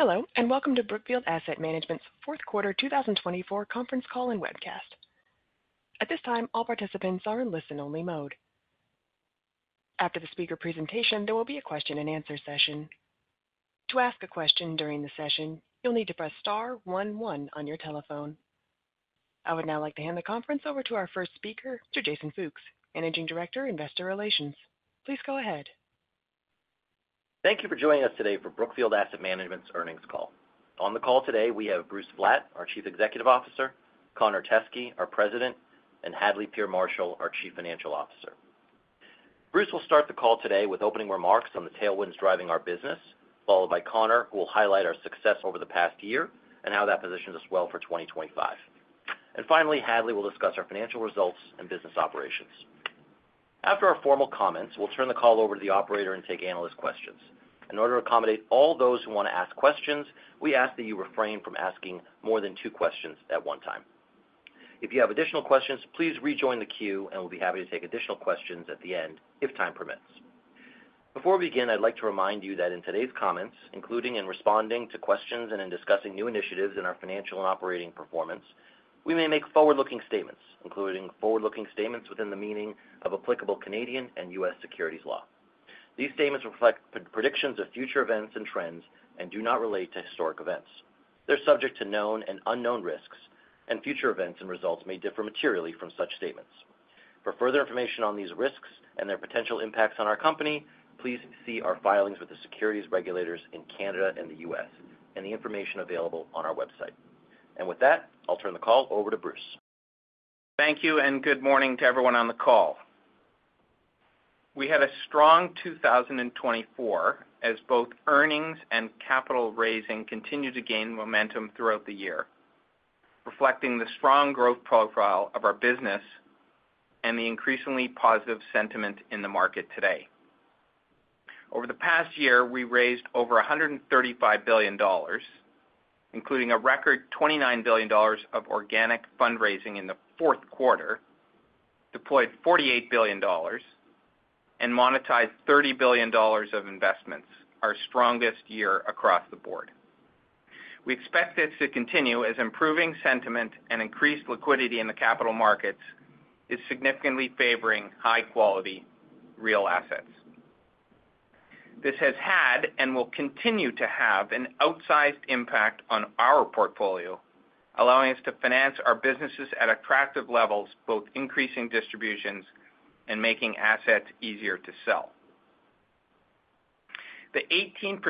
Hello, and welcome to Brookfield Asset Management's fourth quarter 2024 conference call and webcast. At this time, all participants are in listen-only mode. After the speaker presentation, there will be a question-and-answer session. To ask a question during the session, you'll need to press star one one on your telephone. I would now like to hand the conference over to our first speaker, Jason Fooks, Managing Director, Investor Relations. Please go ahead. Thank you for joining us today for Brookfield Asset Management's earnings call. On the call today, we have Bruce Flatt, our Chief Executive Officer, Connor Teskey, our President, and Hadley Peer Marshall, our Chief Financial Officer. Bruce will start the call today with opening remarks on the tailwinds driving our business, followed by Connor, who will highlight our success over the past year and how that positions us well for 2025. And finally, Hadley will discuss our financial results and business operations. After our formal comments, we'll turn the call over to the operator and take analyst questions. In order to accommodate all those who want to ask questions, we ask that you refrain from asking more than two questions at one time. If you have additional questions, please rejoin the queue, and we'll be happy to take additional questions at the end if time permits. Before we begin, I'd like to remind you that in today's comments, including in responding to questions and in discussing new initiatives in our financial and operating performance, we may make forward-looking statements, including forward-looking statements within the meaning of applicable Canadian and U.S. securities law. These statements reflect predictions of future events and trends and do not relate to historic events. They're subject to known and unknown risks, and future events and results may differ materially from such statements. For further information on these risks and their potential impacts on our company, please see our filings with the securities regulators in Canada and the U.S. and the information available on our website and with that, I'll turn the call over to Bruce. Thank you, and good morning to everyone on the call. We had a strong 2024 as both earnings and capital raising continued to gain momentum throughout the year, reflecting the strong growth profile of our business and the increasingly positive sentiment in the market today. Over the past year, we raised over $135 billion, including a record $29 billion of organic fundraising in the fourth quarter, deployed $48 billion, and monetized $30 billion of investments, our strongest year across the board. We expect this to continue as improving sentiment and increased liquidity in the capital markets is significantly favoring high-quality real assets. This has had and will continue to have an outsized impact on our portfolio, allowing us to finance our businesses at attractive levels, both increasing distributions and making assets easier to sell. The 18%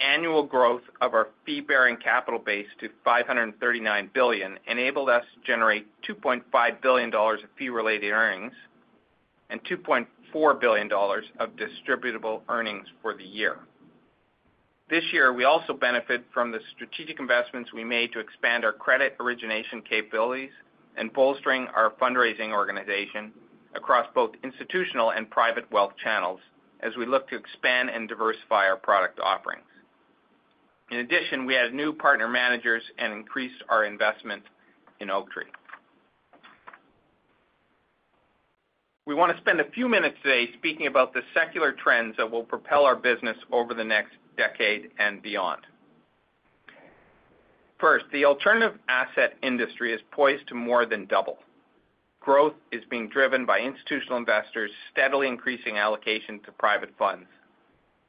annual growth of our fee-bearing capital base to $539 billion enabled us to generate $2.5 billion of fee-related earnings and $2.4 billion of distributable earnings for the year. This year, we also benefited from the strategic investments we made to expand our credit origination capabilities and bolstering our fundraising organization across both institutional and private wealth channels as we look to expand and diversify our product offerings. In addition, we had new partner managers and increased our investment in Oaktree. We want to spend a few minutes today speaking about the secular trends that will propel our business over the next decade and beyond. First, the alternative asset industry is poised to more than double. Growth is being driven by institutional investors steadily increasing allocation to private funds,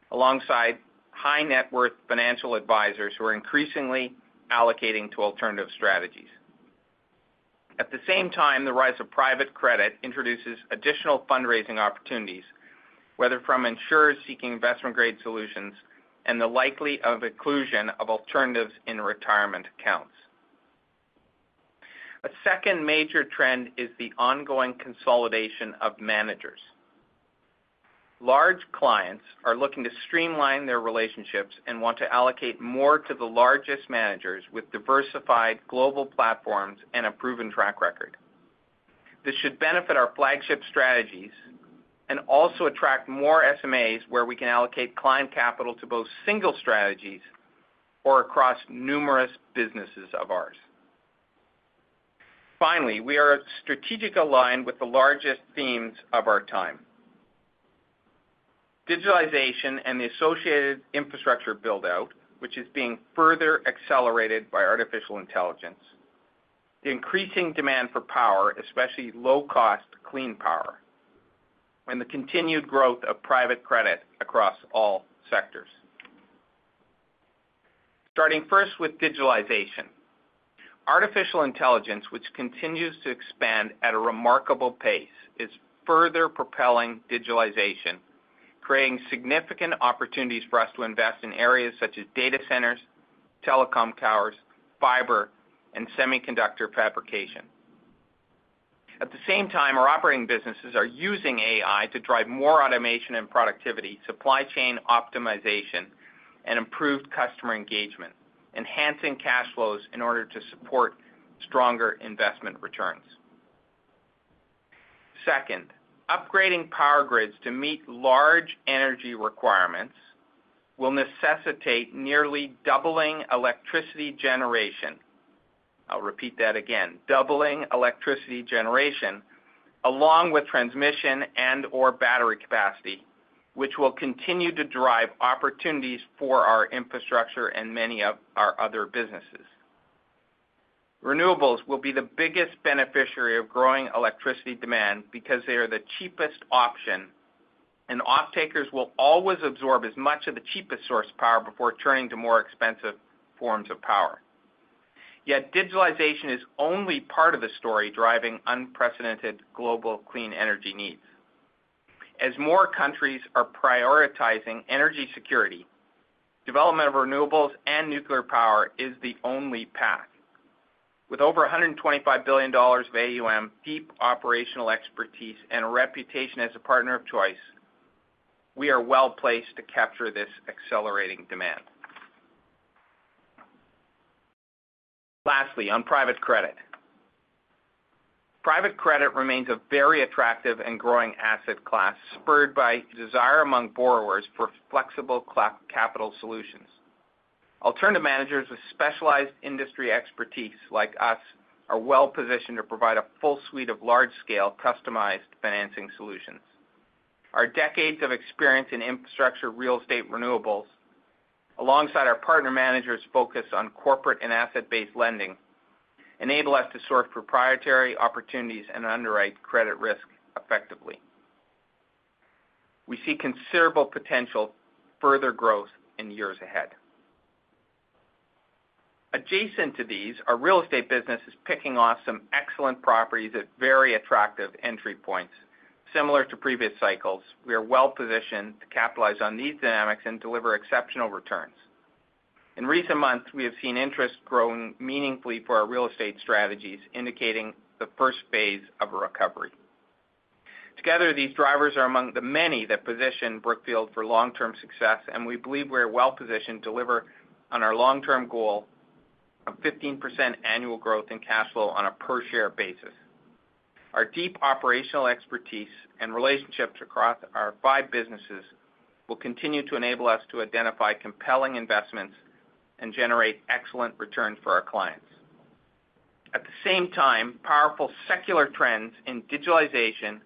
alongside high-net-worth financial advisors who are increasingly allocating to alternative strategies. At the same time, the rise of private credit introduces additional fundraising opportunities, whether from insurers seeking investment-grade solutions and the likely inclusion of alternatives in retirement accounts. A second major trend is the ongoing consolidation of managers. Large clients are looking to streamline their relationships and want to allocate more to the largest managers with diversified global platforms and a proven track record. This should benefit our flagship strategies and also attract more SMAs where we can allocate client capital to both single strategies or across numerous businesses of ours. Finally, we are strategically aligned with the largest themes of our time: digitalization and the associated infrastructure build-out, which is being further accelerated by artificial intelligence, the increasing demand for power, especially low-cost clean power, and the continued growth of private credit across all sectors. Starting first with digitalization. Artificial intelligence, which continues to expand at a remarkable pace, is further propelling digitalization, creating significant opportunities for us to invest in areas such as data centers, telecom towers, fiber, and semiconductor fabrication. At the same time, our operating businesses are using AI to drive more automation and productivity, supply chain optimization, and improved customer engagement, enhancing cash flows in order to support stronger investment returns. Second, upgrading power grids to meet large energy requirements will necessitate nearly doubling electricity generation. I'll repeat that again: doubling electricity generation, along with transmission and/or battery capacity, which will continue to drive opportunities for our infrastructure and many of our other businesses. Renewables will be the biggest beneficiary of growing electricity demand because they are the cheapest option, and off-takers will always absorb as much of the cheapest source power before turning to more expensive forms of power. Yet digitalization is only part of the story driving unprecedented global clean energy needs. As more countries are prioritizing energy security, development of renewables and nuclear power is the only path. With over $125 billion of AUM, deep operational expertise, and a reputation as a partner of choice, we are well placed to capture this accelerating demand. Lastly, on private credit. Private credit remains a very attractive and growing asset class, spurred by desire among borrowers for flexible capital solutions. Alternative managers with specialized industry expertise, like us, are well positioned to provide a full suite of large-scale, customized financing solutions. Our decades of experience in infrastructure, real estate, and renewables, alongside our partner managers' focus on corporate and asset-based lending, enable us to source proprietary opportunities and underwrite credit risk effectively. We see considerable potential for further growth in years ahead. Adjacent to these are real estate businesses picking off some excellent properties at very attractive entry points. Similar to previous cycles, we are well positioned to capitalize on these dynamics and deliver exceptional returns. In recent months, we have seen interest growing meaningfully for our real estate strategies, indicating the first phase of a recovery. Together, these drivers are among the many that position Brookfield for long-term success, and we believe we are well positioned to deliver on our long-term goal of 15% annual growth in cash flow on a per-share basis. Our deep operational expertise and relationships across our five businesses will continue to enable us to identify compelling investments and generate excellent returns for our clients. At the same time, powerful secular trends in digitalization,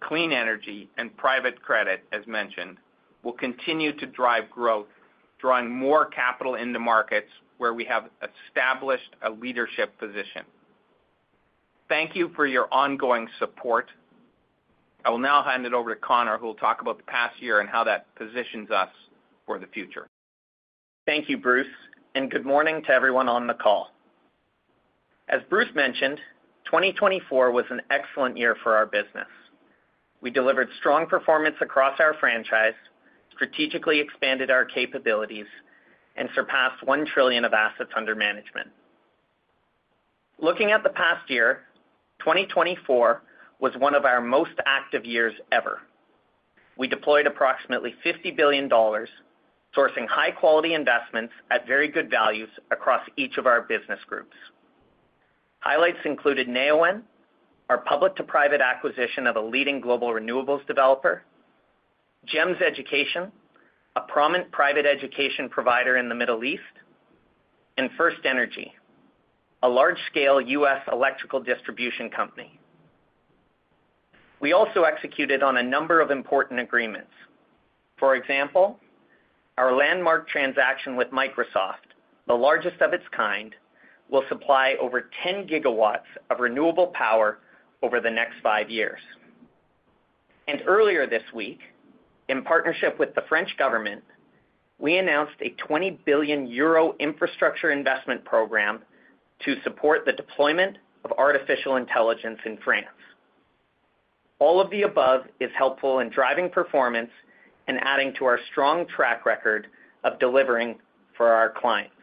clean energy, and private credit, as mentioned, will continue to drive growth, drawing more capital into markets where we have established a leadership position. Thank you for your ongoing support. I will now hand it over to Connor, who will talk about the past year and how that positions us for the future. Thank you, Bruce, and good morning to everyone on the call. As Bruce mentioned, 2024 was an excellent year for our business. We delivered strong performance across our franchise, strategically expanded our capabilities, and surpassed $1 trillion of assets under management. Looking at the past year, 2024 was one of our most active years ever. We deployed approximately $50 billion, sourcing high-quality investments at very good values across each of our business groups. Highlights included Neoen, our public-to-private acquisition of a leading global renewables developer, GEMS Education, a prominent private education provider in the Middle East, and FirstEnergy, a large-scale U.S. electrical distribution company. We also executed on a number of important agreements. For example, our landmark transaction with Microsoft, the largest of its kind, will supply over 10 GW of renewable power over the next five years, and earlier this week, in partnership with the French government, we announced a 20 billion euro infrastructure investment program to support the deployment of artificial intelligence in France. All of the above is helpful in driving performance and adding to our strong track record of delivering for our clients.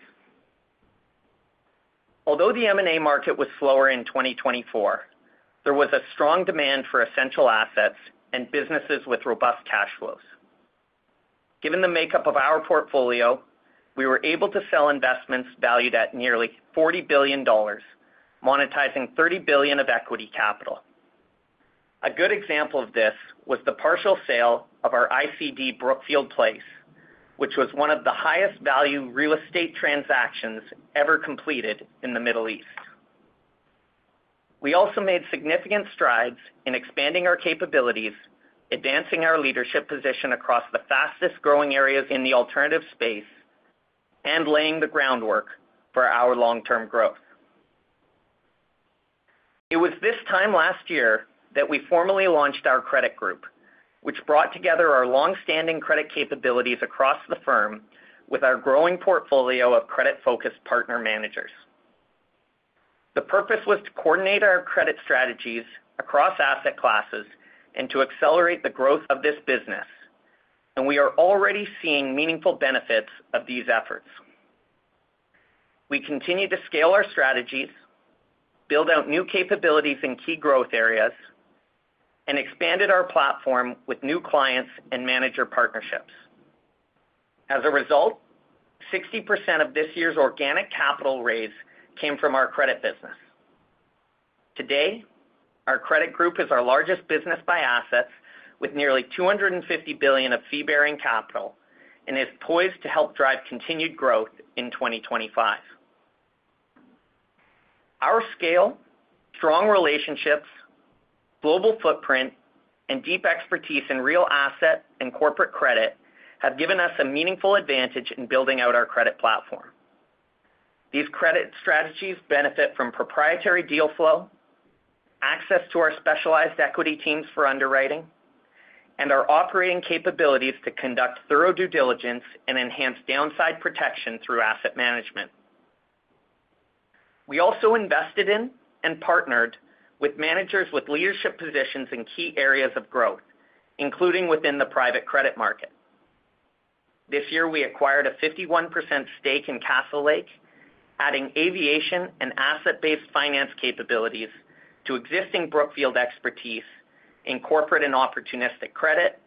Although the M&A market was slower in 2024, there was a strong demand for essential assets and businesses with robust cash flows. Given the makeup of our portfolio, we were able to sell investments valued at nearly $40 billion, monetizing $30 billion of equity capital. A good example of this was the partial sale of our ICD Brookfield Place, which was one of the highest-value real estate transactions ever completed in the Middle East. We also made significant strides in expanding our capabilities, advancing our leadership position across the fastest-growing areas in the alternative space, and laying the groundwork for our long-term growth. It was this time last year that we formally launched our credit group, which brought together our long-standing credit capabilities across the firm with our growing portfolio of credit-focused partner managers. The purpose was to coordinate our credit strategies across asset classes and to accelerate the growth of this business, and we are already seeing meaningful benefits of these efforts. We continued to scale our strategies, build out new capabilities in key growth areas, and expanded our platform with new clients and manager partnerships. As a result, 60% of this year's organic capital raise came from our credit business. Today, our credit group is our largest business by assets, with nearly $250 billion of fee-bearing capital, and is poised to help drive continued growth in 2025. Our scale, strong relationships, global footprint, and deep expertise in real asset and corporate credit have given us a meaningful advantage in building out our credit platform. These credit strategies benefit from proprietary deal flow, access to our specialized equity teams for underwriting, and our operating capabilities to conduct thorough due diligence and enhance downside protection through asset management. We also invested in and partnered with managers with leadership positions in key areas of growth, including within the private credit market. This year, we acquired a 51% stake in Castlelake, adding aviation and asset-based finance capabilities to existing Brookfield expertise in corporate and opportunistic credit,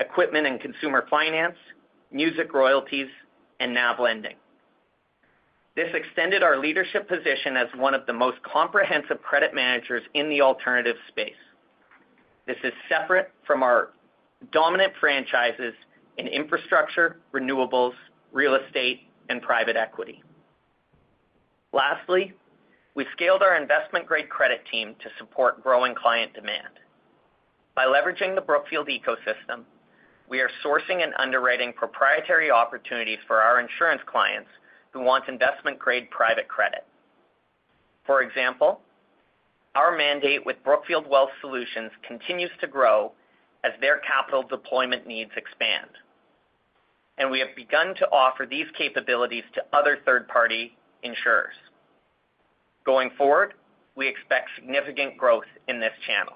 equipment and consumer finance, music royalties, and NAV lending. This extended our leadership position as one of the most comprehensive credit managers in the alternative space. This is separate from our dominant franchises in infrastructure, renewables, real estate, and private equity. Lastly, we scaled our investment-grade credit team to support growing client demand. By leveraging the Brookfield ecosystem, we are sourcing and underwriting proprietary opportunities for our insurance clients who want investment-grade private credit. For example, our mandate with Brookfield Wealth Solutions continues to grow as their capital deployment needs expand, and we have begun to offer these capabilities to other third-party insurers. Going forward, we expect significant growth in this channel.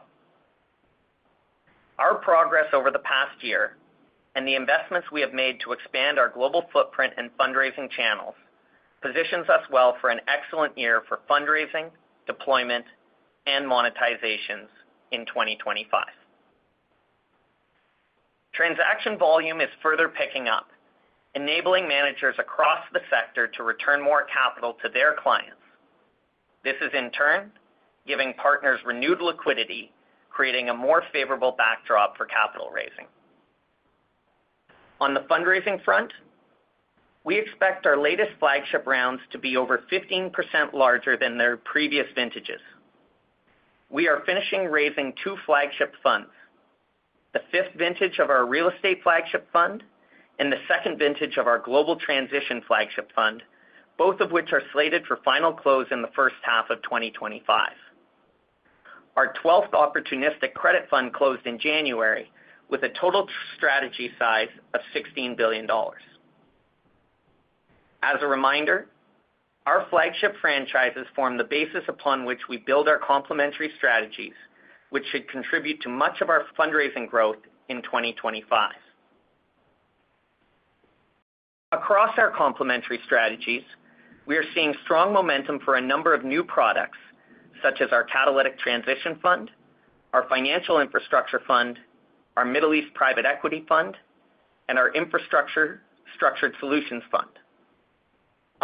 Our progress over the past year and the investments we have made to expand our global footprint and fundraising channels positions us well for an excellent year for fundraising, deployment, and monetizations in 2025. Transaction volume is further picking up, enabling managers across the sector to return more capital to their clients. This is, in turn, giving partners renewed liquidity, creating a more favorable backdrop for capital raising. On the fundraising front, we expect our latest flagship rounds to be over 15% larger than their previous vintages. We are finishing raising two flagship funds: the fifth vintage of our Real Estate Flagship Fund and the second vintage of our Global Transition Flagship Fund, both of which are slated for final close in the first half of 2025. Our 12th opportunistic credit fund closed in January with a total strategy size of $16 billion. As a reminder, our flagship franchises form the basis upon which we build our complementary strategies, which should contribute to much of our fundraising growth in 2025. Across our complementary strategies, we are seeing strong momentum for a number of new products, such as our Catalytic Transition Fund, our Financial Infrastructure Fund, our Middle East Private Equity Fund, and our Infrastructure Structured Solutions Fund.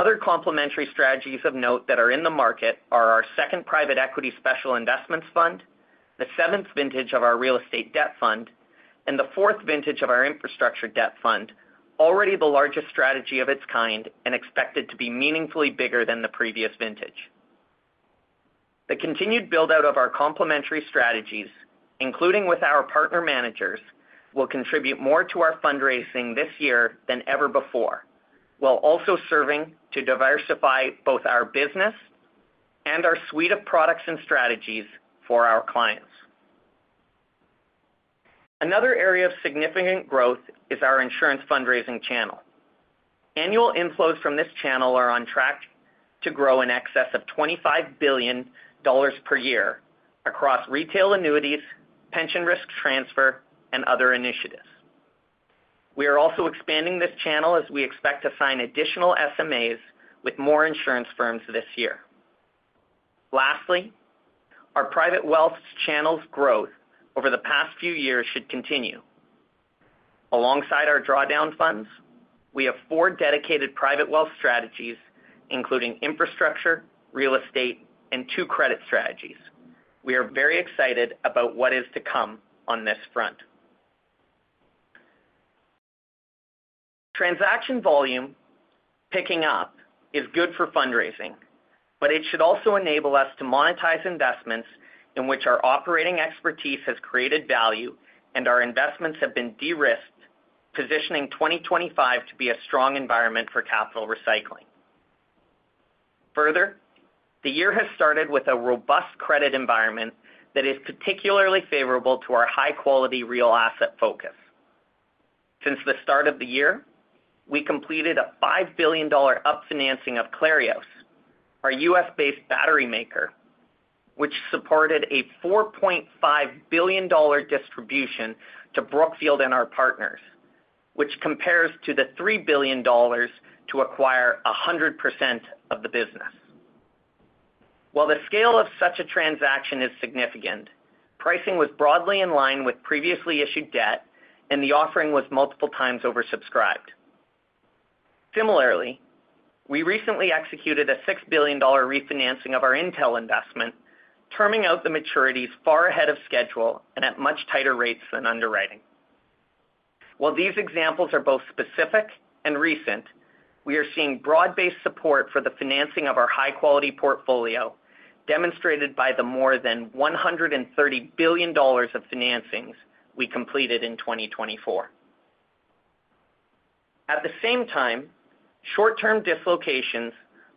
Other complementary strategies of note that are in the market are our second Private Equity Special Investments Fund, the seventh vintage of our Real Estate Debt Fund, and the fourth vintage of our Infrastructure Debt Fund, already the largest strategy of its kind and expected to be meaningfully bigger than the previous vintage. The continued build-out of our complementary strategies, including with our partner managers, will contribute more to our fundraising this year than ever before, while also serving to diversify both our business and our suite of products and strategies for our clients. Another area of significant growth is our insurance fundraising channel. Annual inflows from this channel are on track to grow in excess of $25 billion per year across retail annuities, pension risk transfer, and other initiatives. We are also expanding this channel as we expect to sign additional SMAs with more insurance firms this year. Lastly, our private wealth channel's growth over the past few years should continue. Alongside our drawdown funds, we have four dedicated private wealth strategies, including infrastructure, real estate, and two credit strategies. We are very excited about what is to come on this front. Transaction volume picking up is good for fundraising, but it should also enable us to monetize investments in which our operating expertise has created value and our investments have been de-risked, positioning 2025 to be a strong environment for capital recycling. Further, the year has started with a robust credit environment that is particularly favorable to our high-quality real asset focus. Since the start of the year, we completed a $5 billion refinancing of Clarios, our U.S.-based battery maker, which supported a $4.5 billion distribution to Brookfield and our partners, which compares to the $3 billion to acquire 100% of the business. While the scale of such a transaction is significant, pricing was broadly in line with previously issued debt, and the offering was multiple times oversubscribed. Similarly, we recently executed a $6 billion refinancing of our Intel investment, terming out the maturities far ahead of schedule and at much tighter rates than underwriting. While these examples are both specific and recent, we are seeing broad-based support for the financing of our high-quality portfolio, demonstrated by the more than $130 billion of financings we completed in 2024. At the same time, short-term dislocations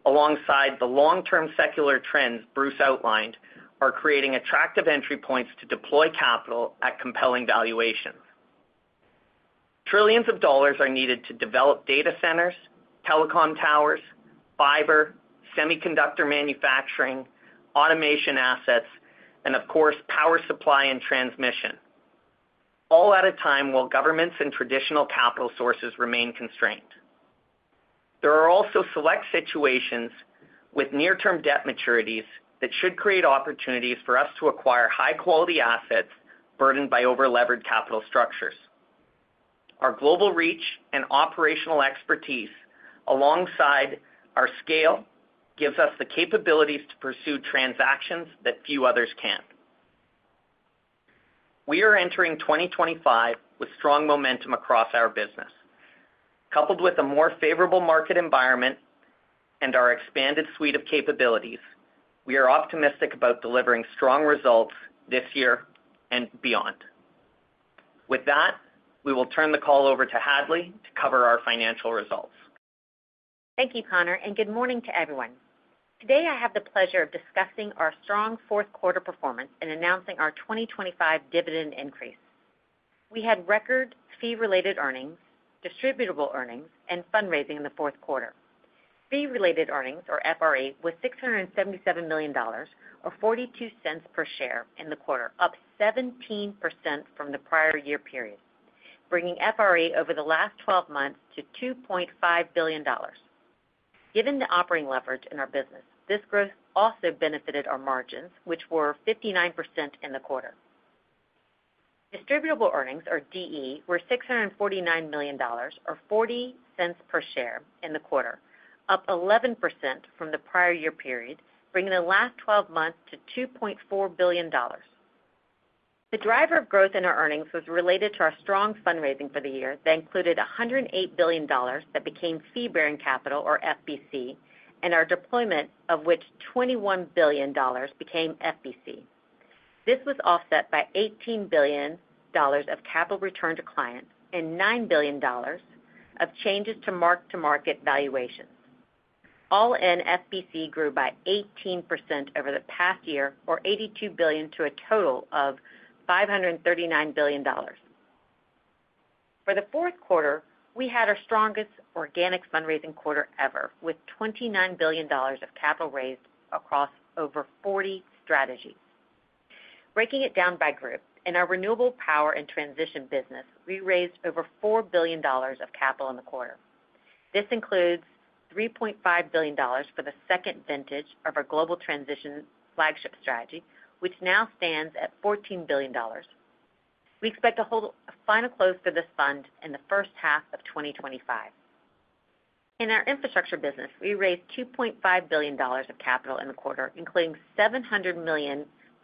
alongside the long-term secular trends Bruce outlined are creating attractive entry points to deploy capital at compelling valuations. Trillions of dollars are needed to develop data centers, telecom towers, fiber, semiconductor manufacturing, automation assets, and, of course, power supply and transmission, all at a time while governments and traditional capital sources remain constrained. There are also select situations with near-term debt maturities that should create opportunities for us to acquire high-quality assets burdened by over-leveraged capital structures. Our global reach and operational expertise, alongside our scale, gives us the capabilities to pursue transactions that few others can. We are entering 2025 with strong momentum across our business. Coupled with a more favorable market environment and our expanded suite of capabilities, we are optimistic about delivering strong results this year and beyond. With that, we will turn the call over to Hadley to cover our financial results. Thank you, Connor, and good morning to everyone. Today, I have the pleasure of discussing our strong fourth-quarter performance and announcing our 2025 dividend increase. We had record fee-related earnings, distributable earnings, and fundraising in the fourth quarter. Fee-related earnings, or FRE, was $677 million, or $0.42 per share in the quarter, up 17% from the prior year period, bringing FRE over the last 12 months to $2.5 billion. Given the operating leverage in our business, this growth also benefited our margins, which were 59% in the quarter. Distributable earnings, or DE, were $649 million, or $0.40 per share in the quarter, up 11% from the prior year period, bringing the last 12 months to $2.4 billion. The driver of growth in our earnings was related to our strong fundraising for the year that included $108 billion that became fee-bearing capital, or FBC, and our deployment of which $21 billion became FBC. This was offset by $18 billion of capital return to clients and $9 billion of changes to mark-to-market valuations. All in, FBC grew by 18% over the past year, or $82 billion to a total of $539 billion. For the fourth quarter, we had our strongest organic fundraising quarter ever, with $29 billion of capital raised across over 40 strategies. Breaking it down by group, in our renewable power and transition business, we raised over $4 billion of capital in the quarter. This includes $3.5 billion for the second vintage of our global transition flagship strategy, which now stands at $14 billion. We expect to hold a final close for this fund in the first half of 2025. In our infrastructure business, we raised $2.5 billion of capital in the quarter, including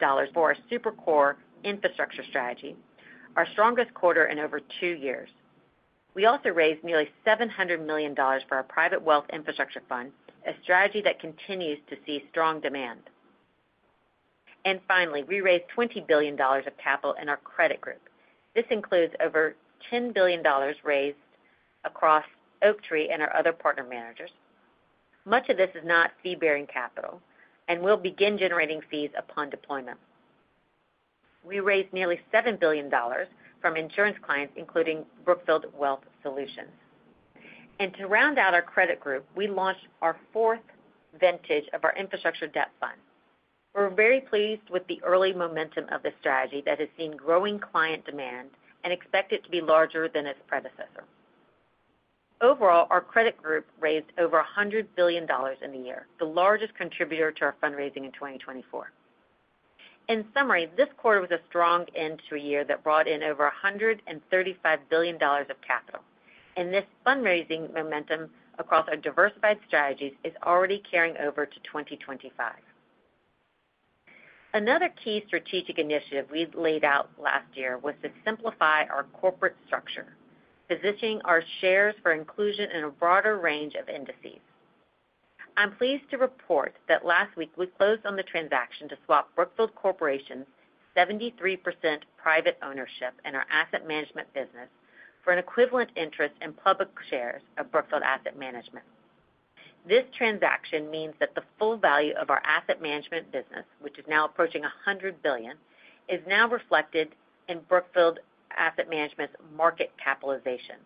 $700 million for our Super-Core Infrastructure strategy, our strongest quarter in over two years. We also raised nearly $700 million for our private wealth infrastructure fund, a strategy that continues to see strong demand. And finally, we raised $20 billion of capital in our credit group. This includes over $10 billion raised across Oaktree and our other partner managers. Much of this is not fee-bearing capital, and we'll begin generating fees upon deployment. We raised nearly $7 billion from insurance clients, including Brookfield Wealth Solutions, and to round out our credit group, we launched our fourth vintage of our Infrastructure Debt Fund. We're very pleased with the early momentum of this strategy that has seen growing client demand and expected to be larger than its predecessor. Overall, our credit group raised over $100 billion in the year, the largest contributor to our fundraising in 2024. In summary, this quarter was a strong end to a year that brought in over $135 billion of capital, and this fundraising momentum across our diversified strategies is already carrying over to 2025. Another key strategic initiative we laid out last year was to simplify our corporate structure, positioning our shares for inclusion in a broader range of indices. I'm pleased to report that last week we closed on the transaction to swap Brookfield Corporation's 73% private ownership in our asset management business for an equivalent interest in public shares of Brookfield Asset Management. This transaction means that the full value of our asset management business, which is now approaching $100 billion, is now reflected in Brookfield Asset Management's market capitalization.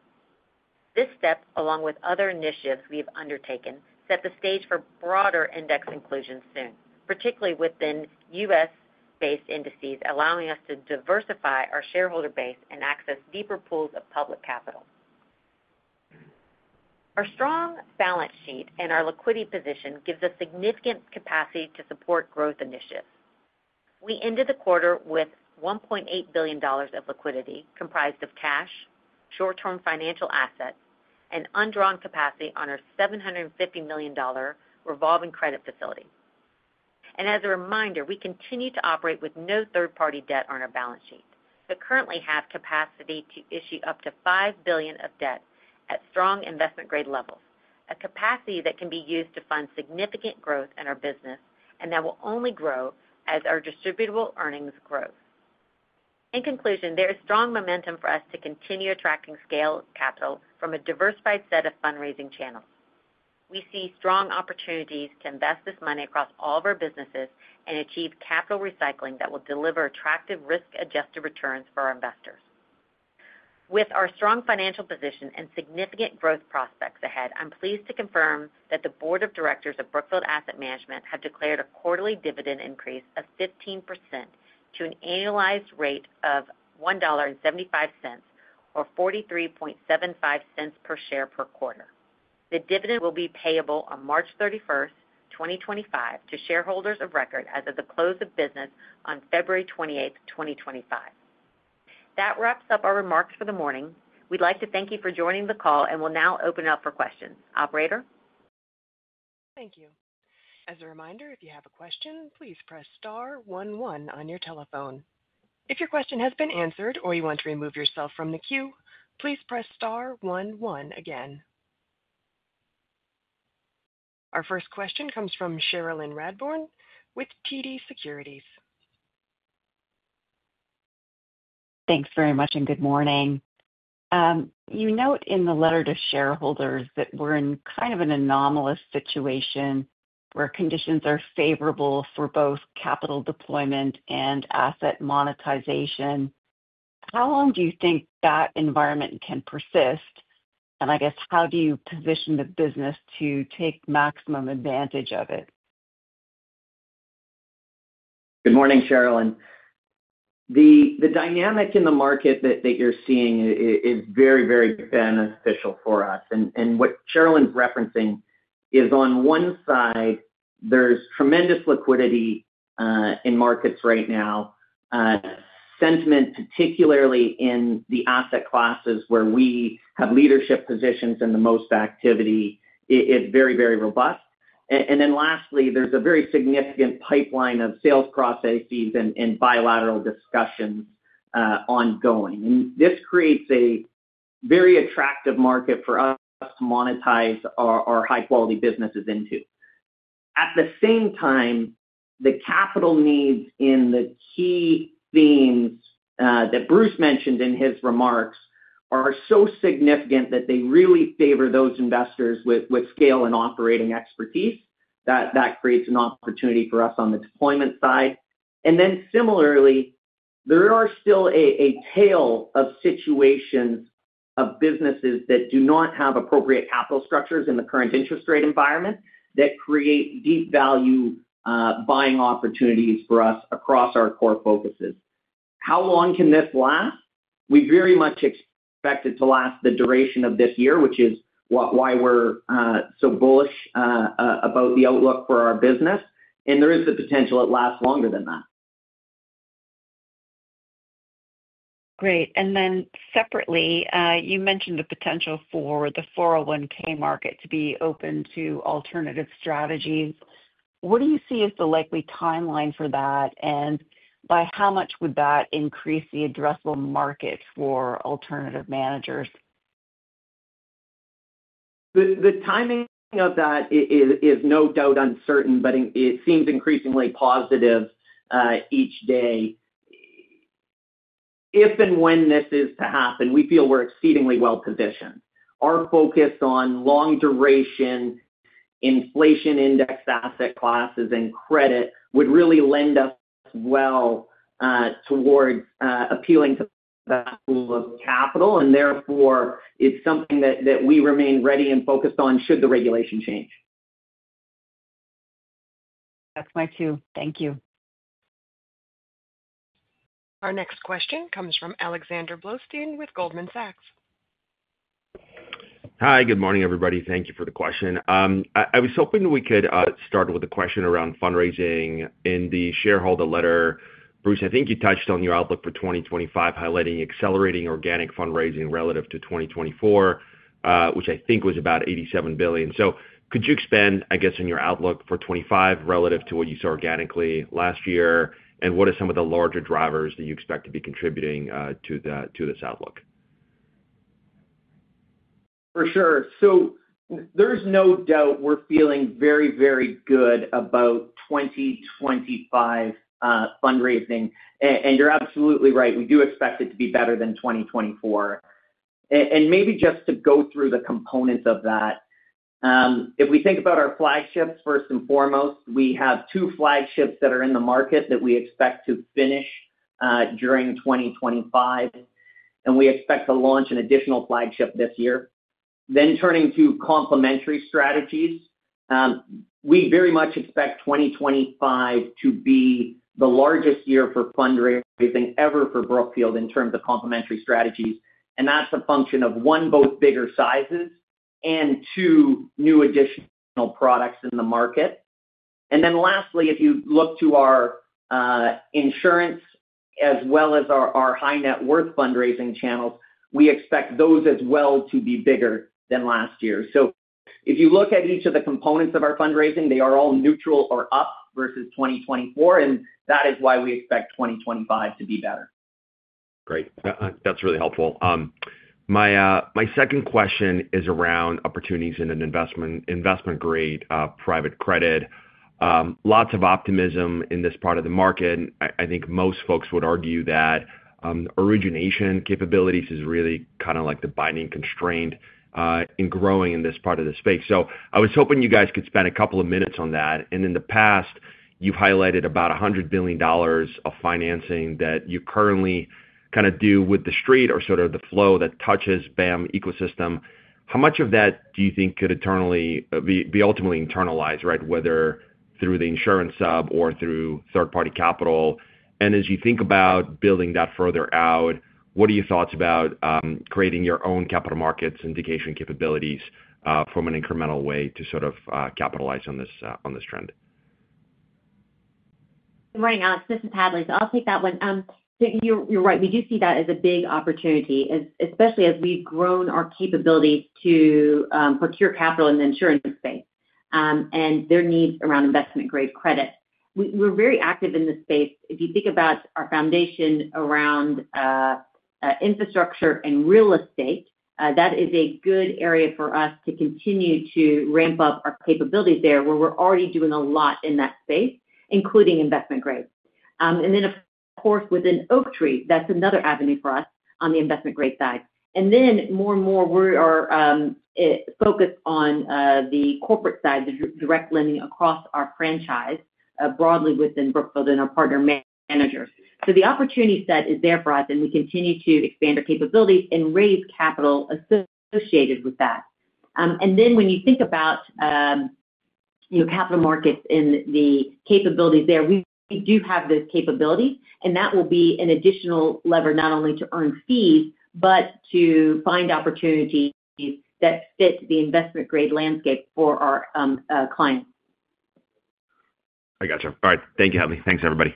This step, along with other initiatives we have undertaken, set the stage for broader index inclusion soon, particularly within U.S.-based indices, allowing us to diversify our shareholder base and access deeper pools of public capital. Our strong balance sheet and our liquidity position gives us significant capacity to support growth initiatives. We ended the quarter with $1.8 billion of liquidity, comprised of cash, short-term financial assets, and undrawn capacity on our $750 million revolving credit facility. As a reminder, we continue to operate with no third-party debt on our balance sheet. We currently have capacity to issue up to $5 billion of debt at strong investment-grade levels, a capacity that can be used to fund significant growth in our business and that will only grow as our distributable earnings growth. In conclusion, there is strong momentum for us to continue attracting scale capital from a diversified set of fundraising channels. We see strong opportunities to invest this money across all of our businesses and achieve capital recycling that will deliver attractive risk-adjusted returns for our investors. With our strong financial position and significant growth prospects ahead, I'm pleased to confirm that the Board of Directors of Brookfield Asset Management have declared a quarterly dividend increase of 15% to an annualized rate of $1.75, or $0.4375 per share per quarter. The dividend will be payable on March 31st, 2025, to shareholders of record as of the close of business on February 28th, 2025. That wraps up our remarks for the morning. We'd like to thank you for joining the call and will now open it up for questions. Operator? Thank you. As a reminder, if you have a question, please press star one one on your telephone. If your question has been answered or you want to remove yourself from the queue, please press star one one again. Our first question comes from Cherilyn Radbourne with TD Securities. Thanks very much and good morning. You note in the letter to shareholders that we're in kind of an anomalous situation where conditions are favorable for both capital deployment and asset monetization. How long do you think that environment can persist? I guess, how do you position the business to take maximum advantage of it? Good morning, Cherilyn. The dynamic in the market that you're seeing is very, very beneficial for us. And what Cherilyn's referencing is, on one side, there's tremendous liquidity in markets right now, sentiment particularly in the asset classes where we have leadership positions and the most activity. It's very, very robust. And then lastly, there's a very significant pipeline of sales processes and bilateral discussions ongoing. And this creates a very attractive market for us to monetize our high-quality businesses into. At the same time, the capital needs in the key themes that Bruce mentioned in his remarks are so significant that they really favor those investors with scale and operating expertise that creates an opportunity for us on the deployment side. And then similarly, there are still a tail of situations of businesses that do not have appropriate capital structures in the current interest rate environment that create deep value buying opportunities for us across our core focuses. How long can this last? We very much expect it to last the duration of this year, which is why we're so bullish about the outlook for our business. And there is the potential it lasts longer than that. Great. And then separately, you mentioned the potential for the 401(k) market to be open to alternative strategies. What do you see as the likely timeline for that? And by how much would that increase the addressable market for alternative managers? The timing of that is no doubt uncertain, but it seems increasingly positive each day. If and when this is to happen, we feel we're exceedingly well positioned. Our focus on long-duration inflation-indexed asset classes and credit would really lend us well towards appealing to that pool of capital. And therefore, it's something that we remain ready and focused on should the regulation change. That's my two. Thank you. Our next question comes from Alexander Blostein with Goldman Sachs. Hi, good morning, everybody. Thank you for the question. I was hoping we could start with a question around fundraising in the shareholder letter. Bruce, I think you touched on your outlook for 2025, highlighting accelerating organic fundraising relative to 2024, which I think was about $87 billion. So could you expand, I guess, on your outlook for 2025 relative to what you saw organically last year? And what are some of the larger drivers that you expect to be contributing to this outlook? For sure. So there's no doubt we're feeling very, very good about 2025 fundraising. You're absolutely right. We do expect it to be better than 2024. Maybe just to go through the components of that, if we think about our flagships, first and foremost, we have two flagships that are in the market that we expect to finish during 2025. We expect to launch an additional flagship this year. Turning to complementary strategies, we very much expect 2025 to be the largest year for fundraising ever for Brookfield in terms of complementary strategies. That's a function of, one, both bigger sizes and, two, new additional products in the market. Lastly, if you look to our insurance as well as our high-net-worth fundraising channels, we expect those as well to be bigger than last year. If you look at each of the components of our fundraising, they are all neutral or up versus 2024. That is why we expect 2025 to be better. Great. That's really helpful. My second question is around opportunities in an investment-grade private credit. Lots of optimism in this part of the market. I think most folks would argue that origination capabilities is really kind of like the binding constraint in growing in this part of the space. So I was hoping you guys could spend a couple of minutes on that. And in the past, you've highlighted about $100 billion of financing that you currently kind of do with the street or sort of the flow that touches BAM ecosystem. How much of that do you think could ultimately internalize, right, whether through the insurance sub or through third-party capital? And as you think about building that further out, what are your thoughts about creating your own capital markets and dedication capabilities from an incremental way to sort of capitalize on this trend? Right, Alex. This is Hadley. So I'll take that one. So you're right. We do see that as a big opportunity, especially as we've grown our capabilities to procure capital in the insurance space and their needs around investment-grade credit. We're very active in this space. If you think about our foundation around infrastructure and real estate, that is a good area for us to continue to ramp up our capabilities there where we're already doing a lot in that space, including investment-grade. And then, of course, within Oaktree, that's another avenue for us on the investment-grade side. And then more and more, we are focused on the corporate side, the direct lending across our franchise broadly within Brookfield and our partner managers. So the opportunity set is there for us, and we continue to expand our capabilities and raise capital associated with that. And then when you think about capital markets and the capabilities there, we do have the capability, and that will be an additional lever not only to earn fees but to find opportunities that fit the investment-grade landscape for our clients. I gotcha. All right. Thank you, Hadley. Thanks, everybody.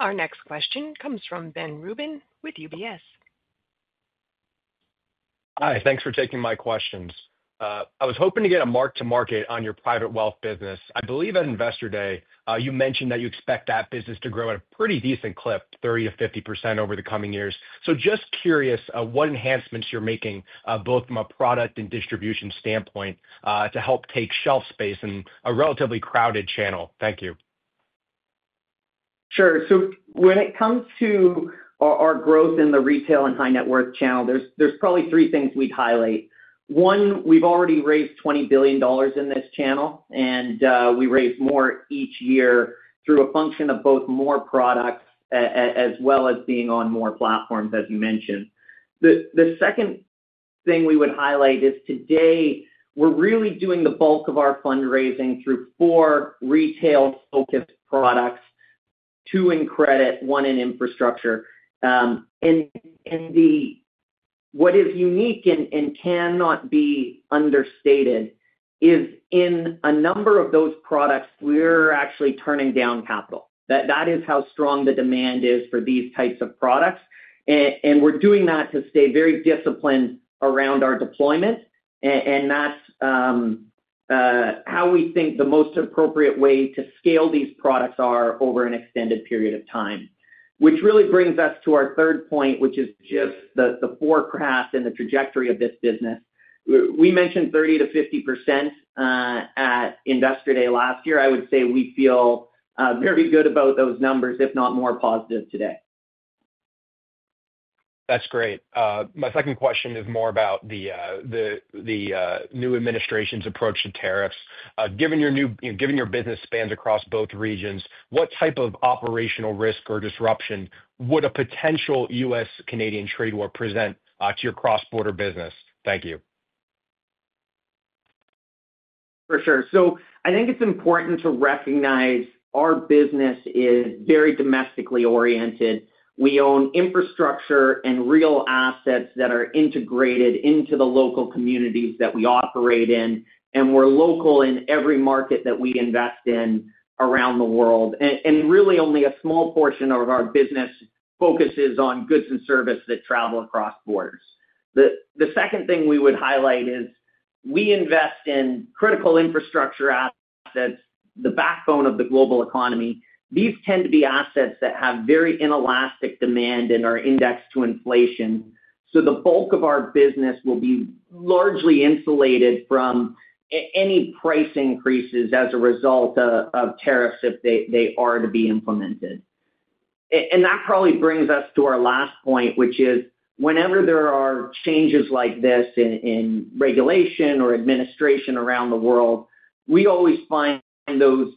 Our next question comes from Ben Rubin with UBS. Hi. Thanks for taking my questions. I was hoping to get a mark-to-market on your private wealth business. I believe at Investor Day, you mentioned that you expect that business to grow at a pretty decent clip, 30%-50% over the coming years. So, just curious what enhancements you're making both from a product and distribution standpoint to help take shelf space in a relatively crowded channel. Thank you. Sure. So when it comes to our growth in the retail and high-net-worth channel, there's probably three things we'd highlight. One, we've already raised $20 billion in this channel, and we raise more each year through a function of both more products as well as being on more platforms, as you mentioned. The second thing we would highlight is today, we're really doing the bulk of our fundraising through four retail-focused products, two in credit, one in infrastructure. And what is unique and cannot be understated is in a number of those products, we're actually turning down capital. That is how strong the demand is for these types of products. And we're doing that to stay very disciplined around our deployment. That's how we think the most appropriate way to scale these products are over an extended period of time, which really brings us to our third point, which is just the forecast and the trajectory of this business. We mentioned 30%-50% at Investor Day last year. I would say we feel very good about those numbers, if not more positive today. That's great. My second question is more about the new administration's approach to tariffs. Given your business spans across both regions, what type of operational risk or disruption would a potential U.S.-Canadian trade war present to your cross-border business? Thank you. For sure. I think it's important to recognize our business is very domestically oriented. We own infrastructure and real assets that are integrated into the local communities that we operate in. We're local in every market that we invest in around the world. Really, only a small portion of our business focuses on goods and services that travel across borders. The second thing we would highlight is we invest in critical infrastructure assets, the backbone of the global economy. These tend to be assets that have very inelastic demand and are indexed to inflation. So the bulk of our business will be largely insulated from any price increases as a result of tariffs if they are to be implemented. That probably brings us to our last point, which is whenever there are changes like this in regulation or administration around the world, we always find those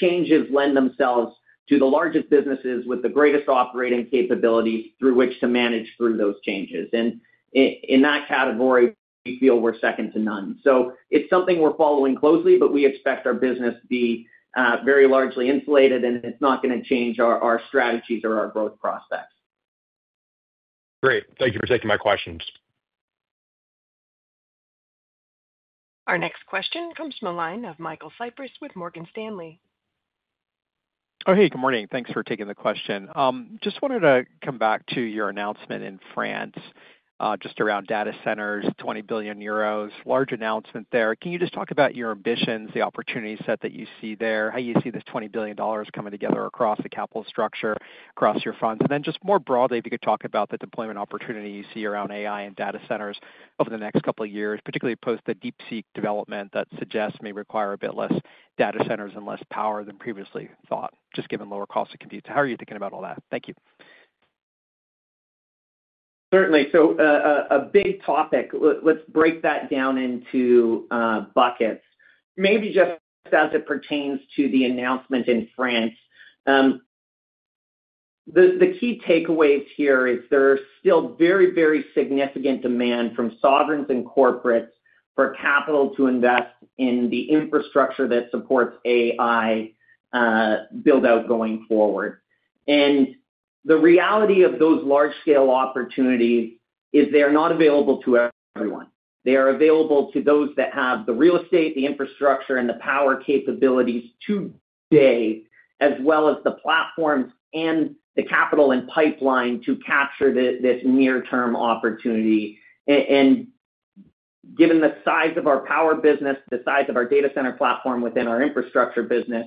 changes lend themselves to the largest businesses with the greatest operating capabilities through which to manage through those changes. In that category, we feel we're second to none. So it's something we're following closely, but we expect our business to be very largely insulated, and it's not going to change our strategies or our growth prospects. Great. Thank you for taking my questions. Our next question comes from a line of Michael Cyprys with Morgan Stanley. Oh, hey. Good morning. Thanks for taking the question. Just wanted to come back to your announcement in France just around data centers, 20 billion euros, large announcement there. Can you just talk about your ambitions, the opportunity set that you see there, how you see this $20 billion coming together across the capital structure, across your funds? Then just more broadly, if you could talk about the deployment opportunity you see around AI and data centers over the next couple of years, particularly post the DeepSeek development that suggests may require a bit less data centers and less power than previously thought, just given lower cost of compute. How are you thinking about all that? Thank you. Certainly. So a big topic. Let's break that down into buckets, maybe just as it pertains to the announcement in France. The key takeaways here is there is still very, very significant demand from sovereigns and corporates for capital to invest in the infrastructure that supports AI build-out going forward. And the reality of those large-scale opportunities is they are not available to everyone. They are available to those that have the real estate, the infrastructure, and the power capabilities today, as well as the platforms and the capital and pipeline to capture this near-term opportunity. And given the size of our power business, the size of our data center platform within our infrastructure business,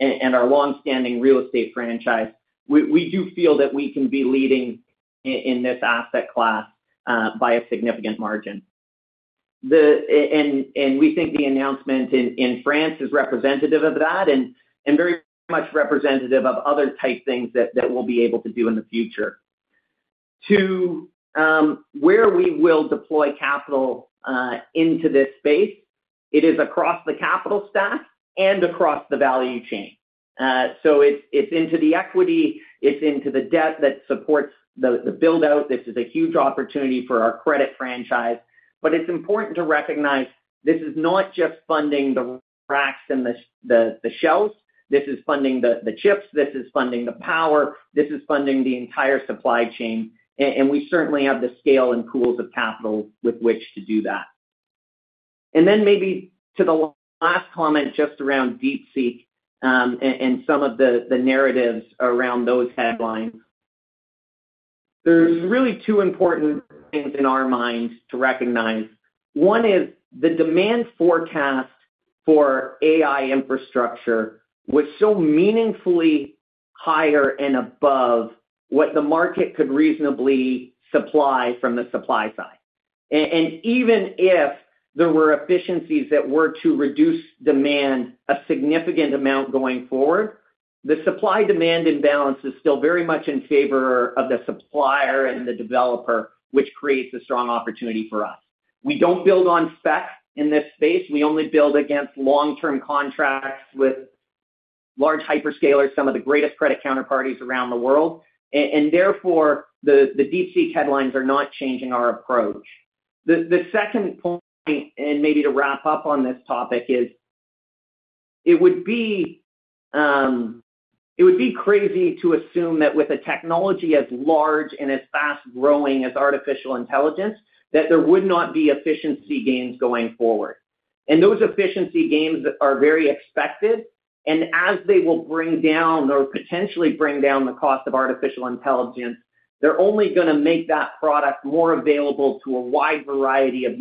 and our long-standing real estate franchise, we do feel that we can be leading in this asset class by a significant margin. And we think the announcement in France is representative of that and very much representative of other type things that we'll be able to do in the future. To where we will deploy capital into this space, it is across the capital stack and across the value chain. So it's into the equity. It's into the debt that supports the build-out. This is a huge opportunity for our credit franchise. But it's important to recognize this is not just funding the racks and the shelves. This is funding the chips. This is funding the power. This is funding the entire supply chain. And we certainly have the scale and pools of capital with which to do that. And then maybe to the last comment just around DeepSeek and some of the narratives around those headlines, there's really two important things in our minds to recognize. One is the demand forecast for AI infrastructure was so meaningfully higher and above what the market could reasonably supply from the supply side. And even if there were efficiencies that were to reduce demand a significant amount going forward, the supply-demand imbalance is still very much in favor of the supplier and the developer, which creates a strong opportunity for us. We don't build on spec in this space. We only build against long-term contracts with large hyperscalers, some of the greatest credit counterparties around the world, and therefore, the DeepSeek headlines are not changing our approach. The second point, and maybe to wrap up on this topic, is that it would be crazy to assume that with a technology as large and as fast-growing as artificial intelligence, that there would not be efficiency gains going forward, and those efficiency gains are very expected, and as they will bring down or potentially bring down the cost of artificial intelligence, they're only going to make that product more available to a wide variety of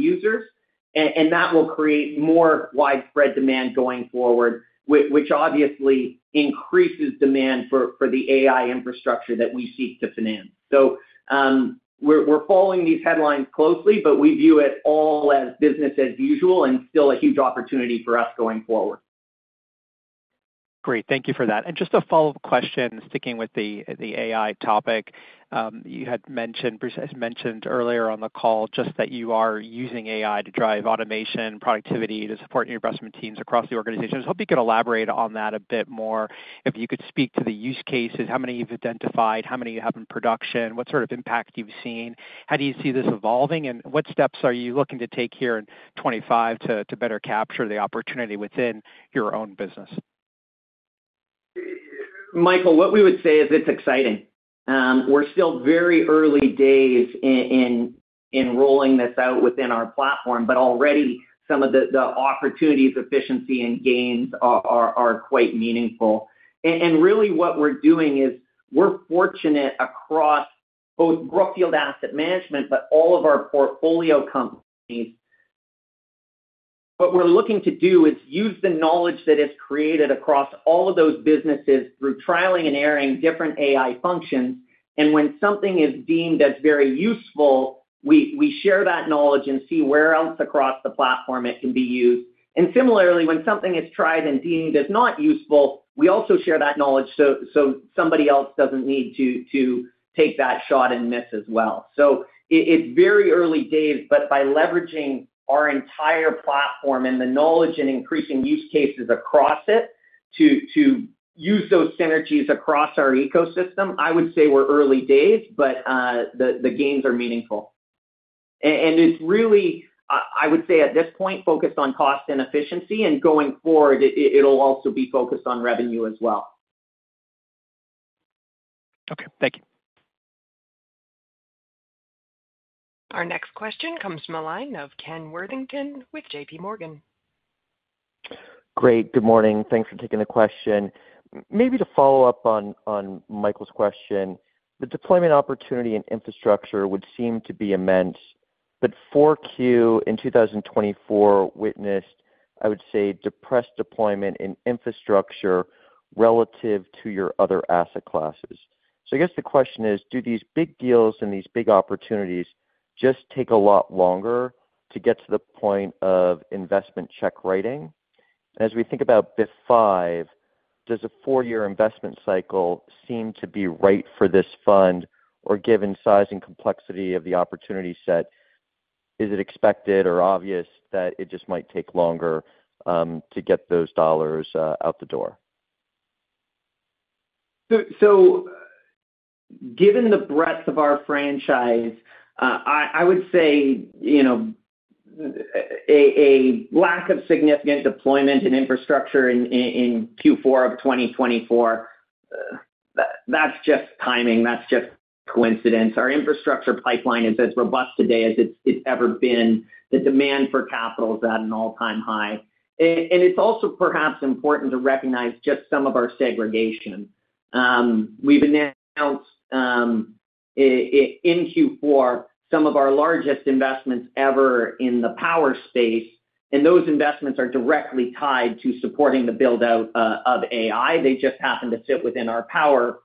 users, and that will create more widespread demand going forward, which obviously increases demand for the AI infrastructure that we seek to finance. So we're following these headlines closely, but we view it all as business as usual and still a huge opportunity for us going forward. Great. Thank you for that. And just a follow-up question sticking with the AI topic. You had mentioned earlier on the call just that you are using AI to drive automation and productivity to support your investment teams across the organization. I hope you could elaborate on that a bit more. If you could speak to the use cases, how many you've identified, how many you have in production, what sort of impact you've seen, how do you see this evolving, and what steps are you looking to take here in 2025 to better capture the opportunity within your own business? Michael, what we would say is it's exciting. We're still very early days in rolling this out within our platform, but already some of the opportunities, efficiency, and gains are quite meaningful, and really, what we're doing is we're fortunate across both Brookfield Asset Management but all of our portfolio companies. What we're looking to do is use the knowledge that is created across all of those businesses through trialing and erring different AI functions, and when something is deemed as very useful, we share that knowledge and see where else across the platform it can be used, and similarly, when something is tried and deemed as not useful, we also share that knowledge so somebody else doesn't need to take that shot and miss as well. So it's very early days, but by leveraging our entire platform and the knowledge and increasing use cases across it to use those synergies across our ecosystem, I would say we're early days, but the gains are meaningful. And it's really, I would say at this point, focused on cost and efficiency. And going forward, it'll also be focused on revenue as well. Okay. Thank you. Our next question comes from a line of Ken Worthington with JPMorgan. Great. Good morning. Thanks for taking the question. Maybe to follow up on Michael's question, the deployment opportunity in infrastructure would seem to be immense, but 4Q in 2024 witnessed, I would say, depressed deployment in infrastructure relative to your other asset classes. So I guess the question is, do these big deals and these big opportunities just take a lot longer to get to the point of investment check writing? As we think about BIF V, does a four-year investment cycle seem to be right for this fund? Or given size and complexity of the opportunity set, is it expected or obvious that it just might take longer to get those dollars out the door? Given the breadth of our franchise, I would say a lack of significant deployment in infrastructure in Q4 of 2024, that's just timing. That's just coincidence. Our infrastructure pipeline is as robust today as it's ever been. The demand for capital is at an all-time high. It's also perhaps important to recognize just some of our segregation. We've announced in Q4 some of our largest investments ever in the power space. Those investments are directly tied to supporting the build-out of AI. They just happen to fit within our power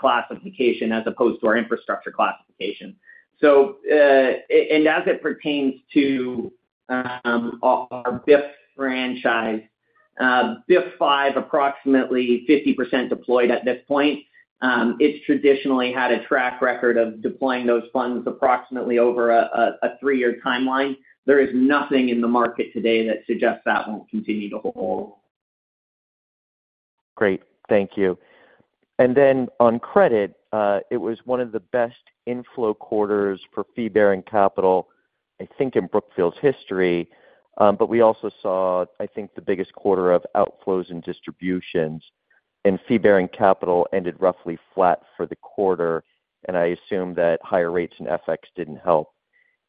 classification as opposed to our infrastructure classification. And as it pertains to our BIF franchise, BIF V, approximately 50% deployed at this point. It's traditionally had a track record of deploying those funds approximately over a three-year timeline. There is nothing in the market today that suggests that won't continue to hold. Great. Thank you. And then on credit, it was one of the best inflow quarters for fee-bearing capital, I think, in Brookfield's history. But we also saw, I think, the biggest quarter of outflows and distributions. And fee-bearing capital ended roughly flat for the quarter. And I assume that higher rates and FX didn't help.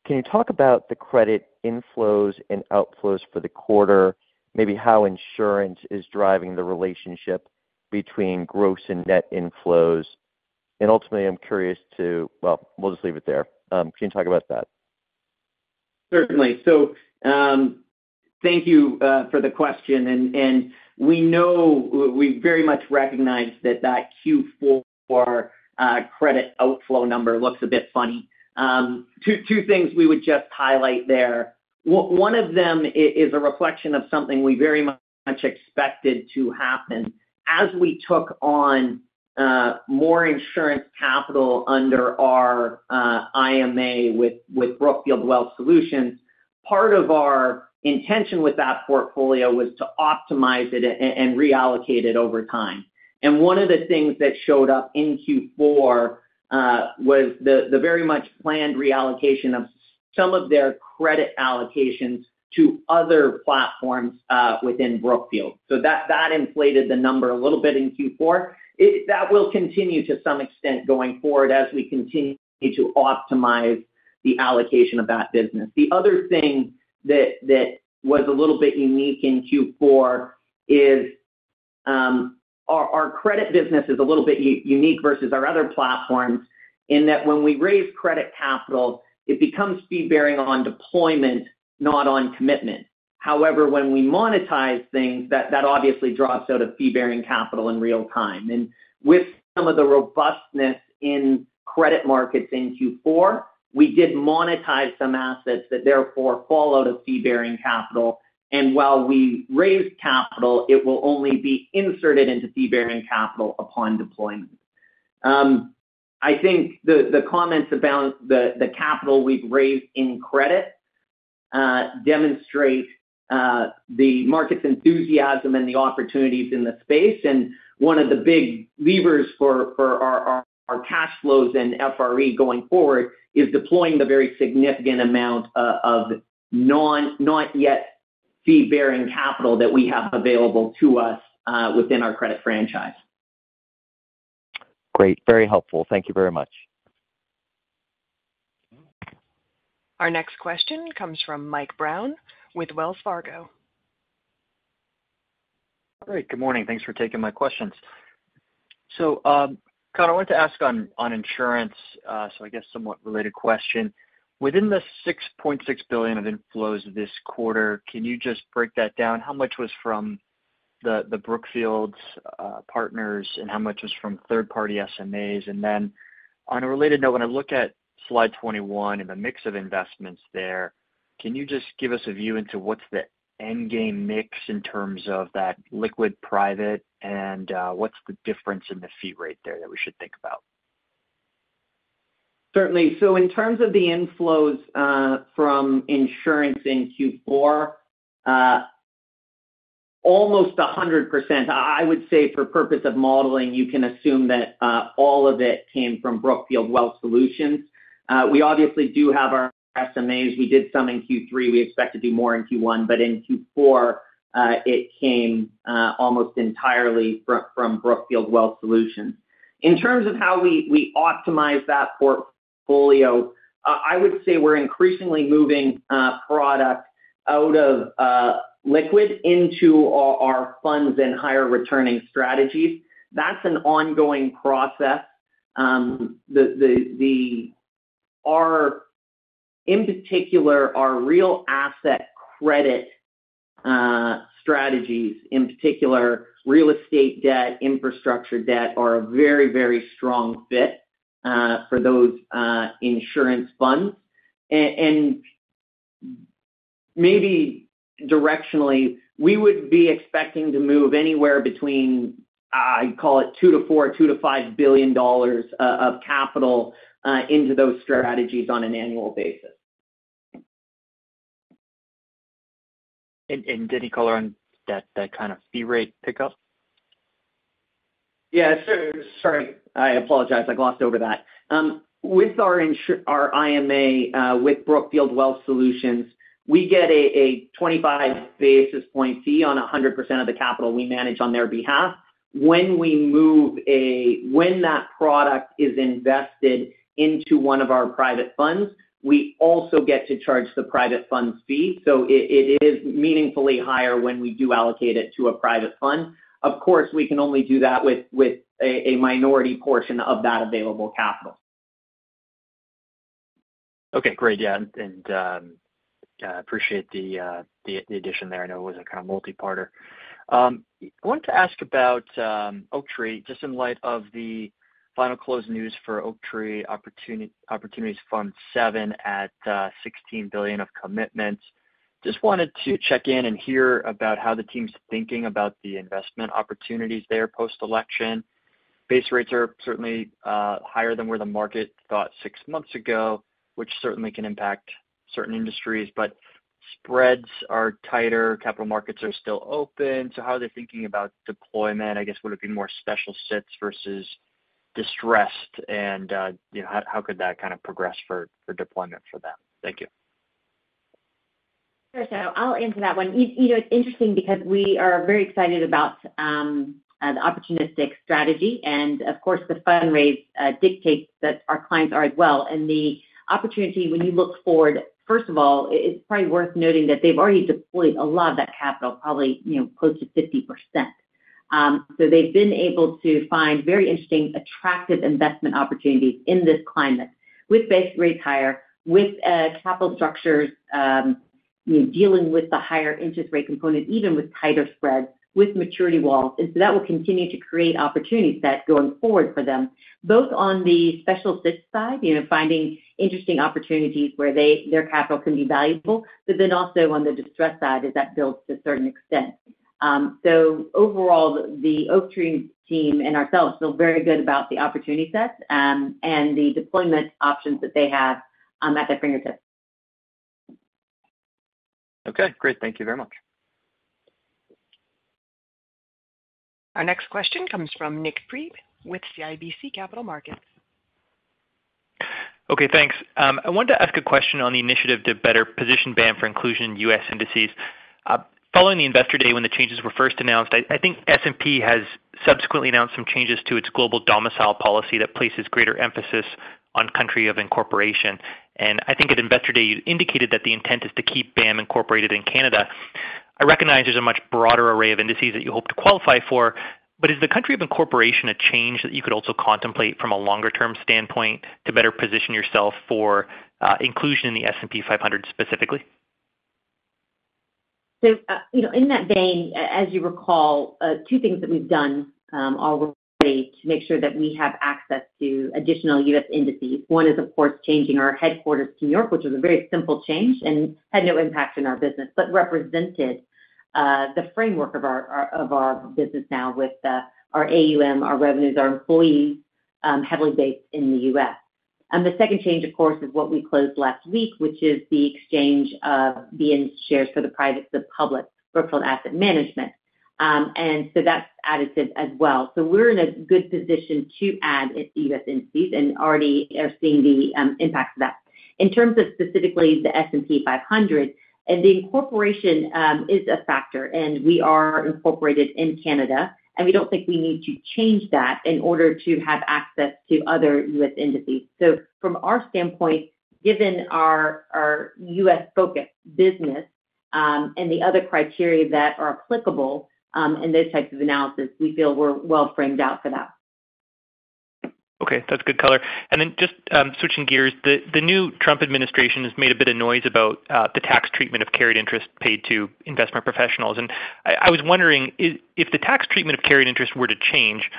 Can you talk about the credit inflows and outflows for the quarter, maybe how insurance is driving the relationship between gross and net inflows? And ultimately, I'm curious to, well, we'll just leave it there. Can you talk about that? Certainly. So thank you for the question. We very much recognize that that Q4 credit outflow number looks a bit funny. Two things we would just highlight there. One of them is a reflection of something we very much expected to happen. As we took on more insurance capital under our IMA with Brookfield Wealth Solutions, part of our intention with that portfolio was to optimize it and reallocate it over time. One of the things that showed up in Q4 was the very much planned reallocation of some of their credit allocations to other platforms within Brookfield. That inflated the number a little bit in Q4. That will continue to some extent going forward as we continue to optimize the allocation of that business. The other thing that was a little bit unique in Q4 is our credit business is a little bit unique versus our other platforms in that when we raise credit capital, it becomes fee-bearing on deployment, not on commitment. However, when we monetize things, that obviously drops out of fee-bearing capital in real time. And with some of the robustness in credit markets in Q4, we did monetize some assets that therefore fall out of fee-bearing capital. And while we raised capital, it will only be inserted into fee-bearing capital upon deployment. I think the comments about the capital we've raised in credit demonstrate the market's enthusiasm and the opportunities in the space. And one of the big levers for our cash flows and FRE going forward is deploying the very significant amount of not yet fee-bearing capital that we have available to us within our credit franchise. Great. Great. Very helpful. Thank you very much. Our next question comes from Mike Brown with Wells Fargo. All right. Good morning. Thanks for taking my questions. So Connor, I wanted to ask on insurance, so I guess somewhat related question. Within the $6.6 billion of inflows this quarter, can you just break that down? How much was from the Brookfield partners, and how much was from third-party SMAs? And then on a related note, when I look at slide 21 and the mix of investments there, can you just give us a view into what's the endgame mix in terms of that liquid private, and what's the difference in the fee rate there that we should think about? Certainly. So in terms of the inflows from insurance in Q4, almost 100%. I would say for purpose of modeling, you can assume that all of it came from Brookfield Wealth Solutions. We obviously do have our SMAs. We did some in Q3. We expect to do more in Q1. But in Q4, it came almost entirely from Brookfield Wealth Solutions. In terms of how we optimize that portfolio, I would say we're increasingly moving product out of liquid into our funds and higher returning strategies. That's an ongoing process. In particular, our real asset credit strategies, in particular real estate debt, infrastructure debt, are a very, very strong fit for those insurance funds. And maybe directionally, we would be expecting to move anywhere between, I'd call it, $2 billion-$4 billion, $2 billion-$5 billion of capital into those strategies on an annual basis. And did he call on that kind of fee rate pickup? Yeah. Sorry. I apologize. I glossed over that. With our IMA with Brookfield Wealth Solutions, we get a 25 basis points fee on 100% of the capital we manage on their behalf. When we move when that product is invested into one of our private funds, we also get to charge the private funds fee. So it is meaningfully higher when we do allocate it to a private fund. Of course, we can only do that with a minority portion of that available capital. Okay. Great. Yeah. And I appreciate the addition there. I know it was a kind of multi-parter. I wanted to ask about Oaktree, just in light of the final close news for Oaktree Opportunities Fund XI at $16 billion of commitments. Just wanted to check in and hear about how the team's thinking about the investment opportunities there post-election. Base rates are certainly higher than where the market thought six months ago, which certainly can impact certain industries. But spreads are tighter. Capital markets are still open. So how are they thinking about deployment? I guess would it be more special situations versus distressed? And how could that kind of progress for deployment for them? Thank you. Sure. So I'll answer that one. It's interesting because we are very excited about the opportunistic strategy. And of course, the fundraise dictates that our clients are as well. And the opportunity, when you look forward, first of all, it's probably worth noting that they've already deployed a lot of that capital, probably close to 50%. So they've been able to find very interesting, attractive investment opportunities in this climate with base rates higher, with capital structures dealing with the higher interest rate component, even with tighter spreads, with maturity walls. And so that will continue to create opportunity sets going forward for them, both on the special situations side, finding interesting opportunities where their capital can be valuable, but then also on the distressed side as that builds to a certain extent. So overall, the Oaktree team and ourselves feel very good about the opportunity sets and the deployment options that they have at their fingertips. Okay. Great. Thank you very much. Our next question comes from Nik Piffer with CIBC Capital Markets. Okay. Thanks. I wanted to ask a question on the initiative to better position BAM for inclusion in U.S. indices. Following the Investor Day when the changes were first announced, I think S&P has subsequently announced some changes to its global domicile policy that places greater emphasis on country of incorporation. I think at Investor Day, you indicated that the intent is to keep BAM incorporated in Canada. I recognize there's a much broader array of indices that you hope to qualify for. Is the country of incorporation a change that you could also contemplate from a longer-term standpoint to better position yourself for inclusion in the S&P 500 specifically? In that vein, as you recall, two things that we've done already to make sure that we have access to additional U.S. indices. One is, of course, changing our headquarters to New York, which was a very simple change and had no impact on our business, but represented the framework of our business now with our AUM, our revenues, our employees heavily based in the U.S. And the second change, of course, is what we closed last week, which is the exchange of BN shares for the private to the public, Brookfield Asset Management. And so that's added to it as well. So we're in a good position to add U.S. indices and already are seeing the impact of that. In terms of specifically the S&P 500, the incorporation is a factor. And we are incorporated in Canada. And we don't think we need to change that in order to have access to other U.S. indices. So from our standpoint, given our U.S.-focused business and the other criteria that are applicable in those types of analysis, we feel we're well framed out for that. Okay. That's good color. And then just switching gears, the new Trump administration has made a bit of noise about the tax treatment of carried interest paid to investment professionals. I was wondering, if the tax treatment of carried interest were to change,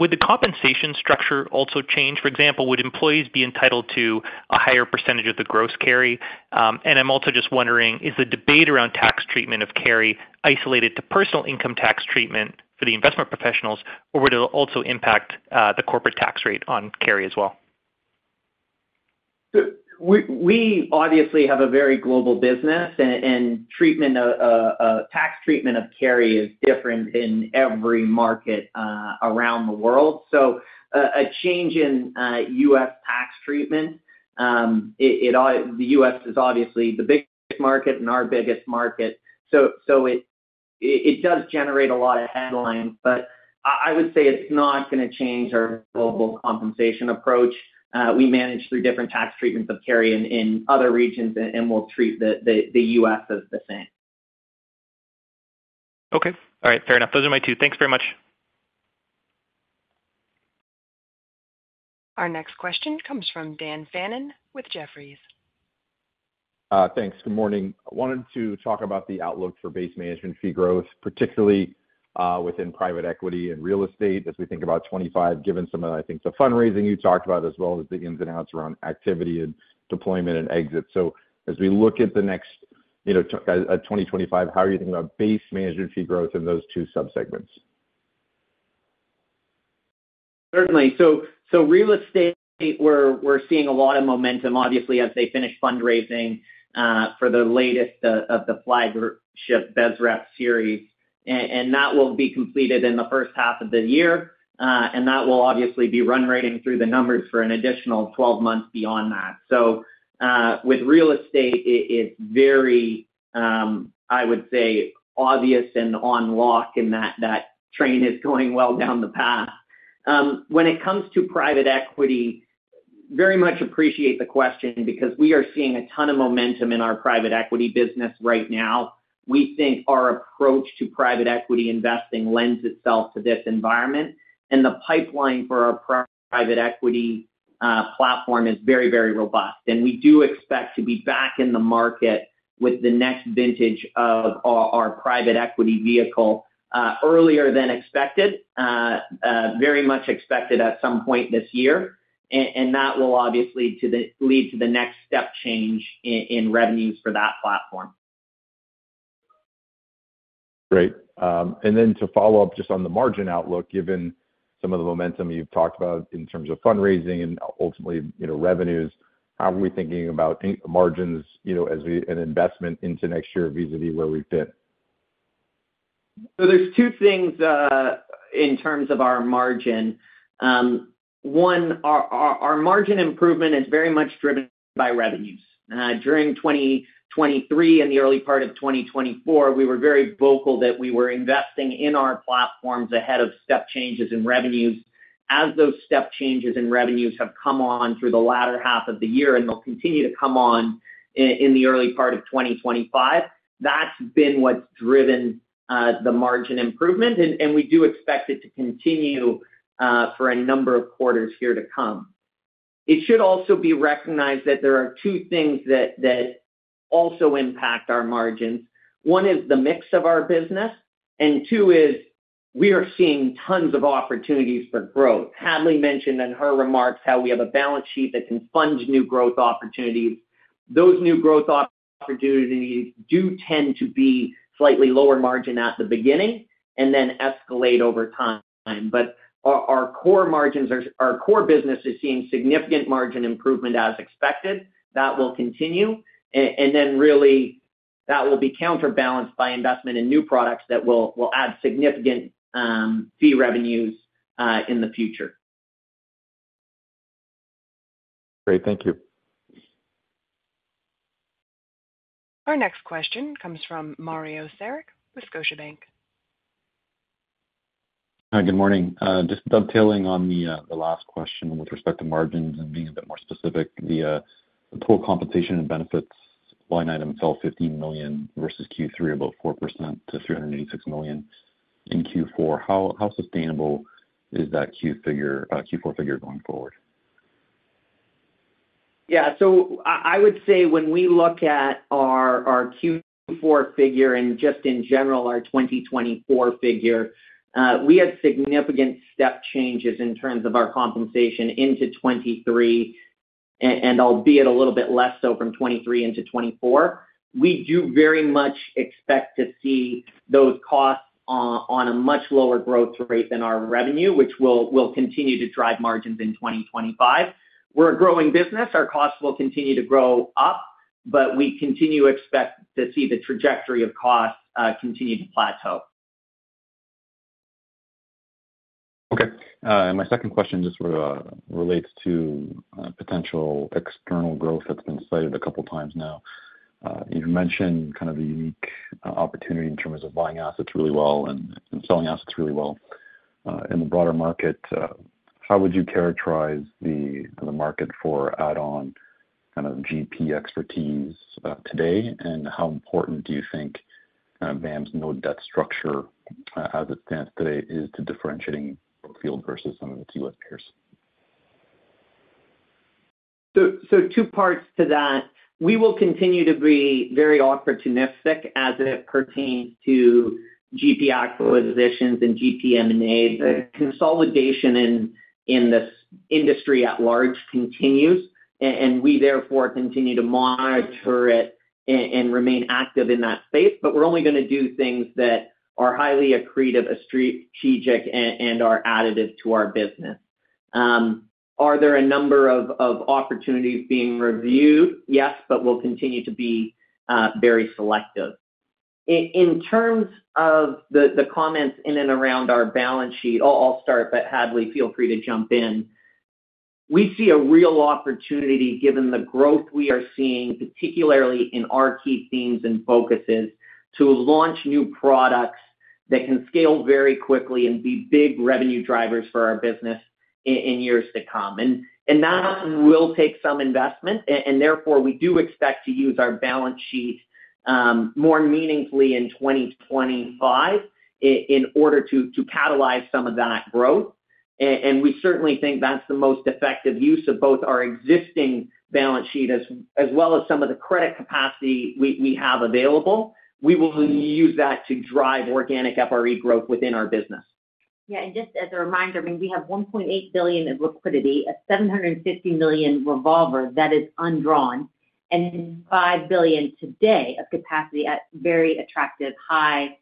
would the compensation structure also change? For example, would employees be entitled to a higher percentage of the gross carry? And I'm also just wondering, is the debate around tax treatment of carry isolated to personal income tax treatment for the investment professionals, or would it also impact the corporate tax rate on carry as well? We obviously have a very global business. And tax treatment of carry is different in every market around the world. So a change in U.S. tax treatment, the U.S. is obviously the biggest market and our biggest market. So it does generate a lot of headlines. But I would say it's not going to change our global compensation approach. We manage through different tax treatments of carry in other regions, and we'll treat the U.S. as the same. Okay. All right. Fair enough. Those are my two. Thanks very much. Our next question comes from Dan Fannon with Jefferies. Thanks. Good morning. I wanted to talk about the outlook for base management fee growth, particularly within private equity and real estate as we think about 2025, given some of, I think, the fundraising you talked about as well as the ins and outs around activity and deployment and exit. So as we look at the next 2025, how are you thinking about base management fee growth in those two subsegments? Certainly. So real estate, we're seeing a lot of momentum, obviously, as they finish fundraising for the latest of the flagship BSREP series. And that will be completed in the first half of the year. And that will obviously be run rating through the numbers for an additional 12 months beyond that. So with real estate, it's very, I would say, obvious and in lockstep that the train is going well down the path. When it comes to private equity, very much appreciate the question because we are seeing a ton of momentum in our private equity business right now. We think our approach to private equity investing lends itself to this environment. And the pipeline for our private equity platform is very, very robust. And we do expect to be back in the market with the next vintage of our private equity vehicle earlier than expected, very much expected at some point this year. And that will obviously lead to the next step change in revenues for that platform. Great. And then to follow up just on the margin outlook, given some of the momentum you've talked about in terms of fundraising and ultimately revenues, how are we thinking about margins as an investment into next year vis-à-vis where we fit? So there's two things in terms of our margin. One, our margin improvement is very much driven by revenues. During 2023 and the early part of 2024, we were very vocal that we were investing in our platforms ahead of step changes in revenues. As those step changes in revenues have come on through the latter half of the year and will continue to come on in the early part of 2025, that's been what's driven the margin improvement. And we do expect it to continue for a number of quarters here to come. It should also be recognized that there are two things that also impact our margins. One is the mix of our business. And two is we are seeing tons of opportunities for growth. Hadley mentioned in her remarks how we have a balance sheet that can fund new growth opportunities. Those new growth opportunities do tend to be slightly lower margin at the beginning and then escalate over time. But our core business is seeing significant margin improvement as expected. That will continue. And then really, that will be counterbalanced by investment in new products that will add significant fee revenues in the future. Great. Thank you. Our next question comes from Mario Saric, Scotiabank. Hi. Good morning. Just dovetailing on the last question with respect to margins and being a bit more specific, the pool compensation and benefits line item fell $15 million versus Q3, about 4% to $386 million in Q4. How sustainable is that Q4 figure going forward? Yeah. So I would say when we look at our Q4 figure and just in general our 2024 figure, we had significant step changes in terms of our compensation into 2023, and albeit a little bit less so from 2023 into 2024. We do very much expect to see those costs on a much lower growth rate than our revenue, which will continue to drive margins in 2025. We're a growing business. Our costs will continue to grow up. But we continue to expect to see the trajectory of costs continue to plateau. Okay. And my second question just relates to potential external growth that's been cited a couple of times now. You've mentioned kind of the unique opportunity in terms of buying assets really well and selling assets really well in the broader market. How would you characterize the market for add-on kind of GP expertise today? And how important do you think kind of BAM's no-debt structure as it stands today is to differentiating Brookfield versus some of its U.S. peers? So two parts to that. We will continue to be very opportunistic as it pertains to GP acquisitions and GP M&A. The consolidation in this industry at large continues. And we, therefore, continue to monitor it and remain active in that space. But we're only going to do things that are highly accretive, strategic, and are additive to our business. Are there a number of opportunities being reviewed? Yes, but we'll continue to be very selective. In terms of the comments in and around our balance sheet, I'll start, but Hadley, feel free to jump in. We see a real opportunity given the growth we are seeing, particularly in our key themes and focuses, to launch new products that can scale very quickly and be big revenue drivers for our business in years to come. And that will take some investment. And therefore, we do expect to use our balance sheet more meaningfully in 2025 in order to catalyze some of that growth. And we certainly think that's the most effective use of both our existing balance sheet as well as some of the credit capacity we have available. We will use that to drive organic FRE growth within our business. Yeah. And just as a reminder, I mean, we have $1.8 billion of liquidity, a $750 million revolver that is undrawn, and $5 billion today of capacity at very attractive, high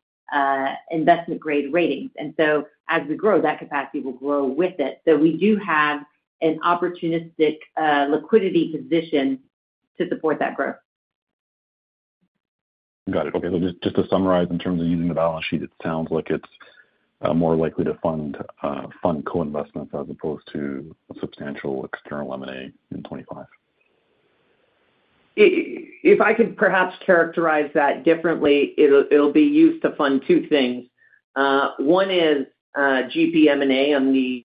investment-grade ratings. And so as we grow, that capacity will grow with it. So we do have an opportunistic liquidity position to support that growth. Got it. Okay. So just to summarize, in terms of using the balance sheet, it sounds like it's more likely to fund co-investments as opposed to a substantial external M&A in 2025. If I could perhaps characterize that differently, it'll be used to fund two things. One is GP M&A on the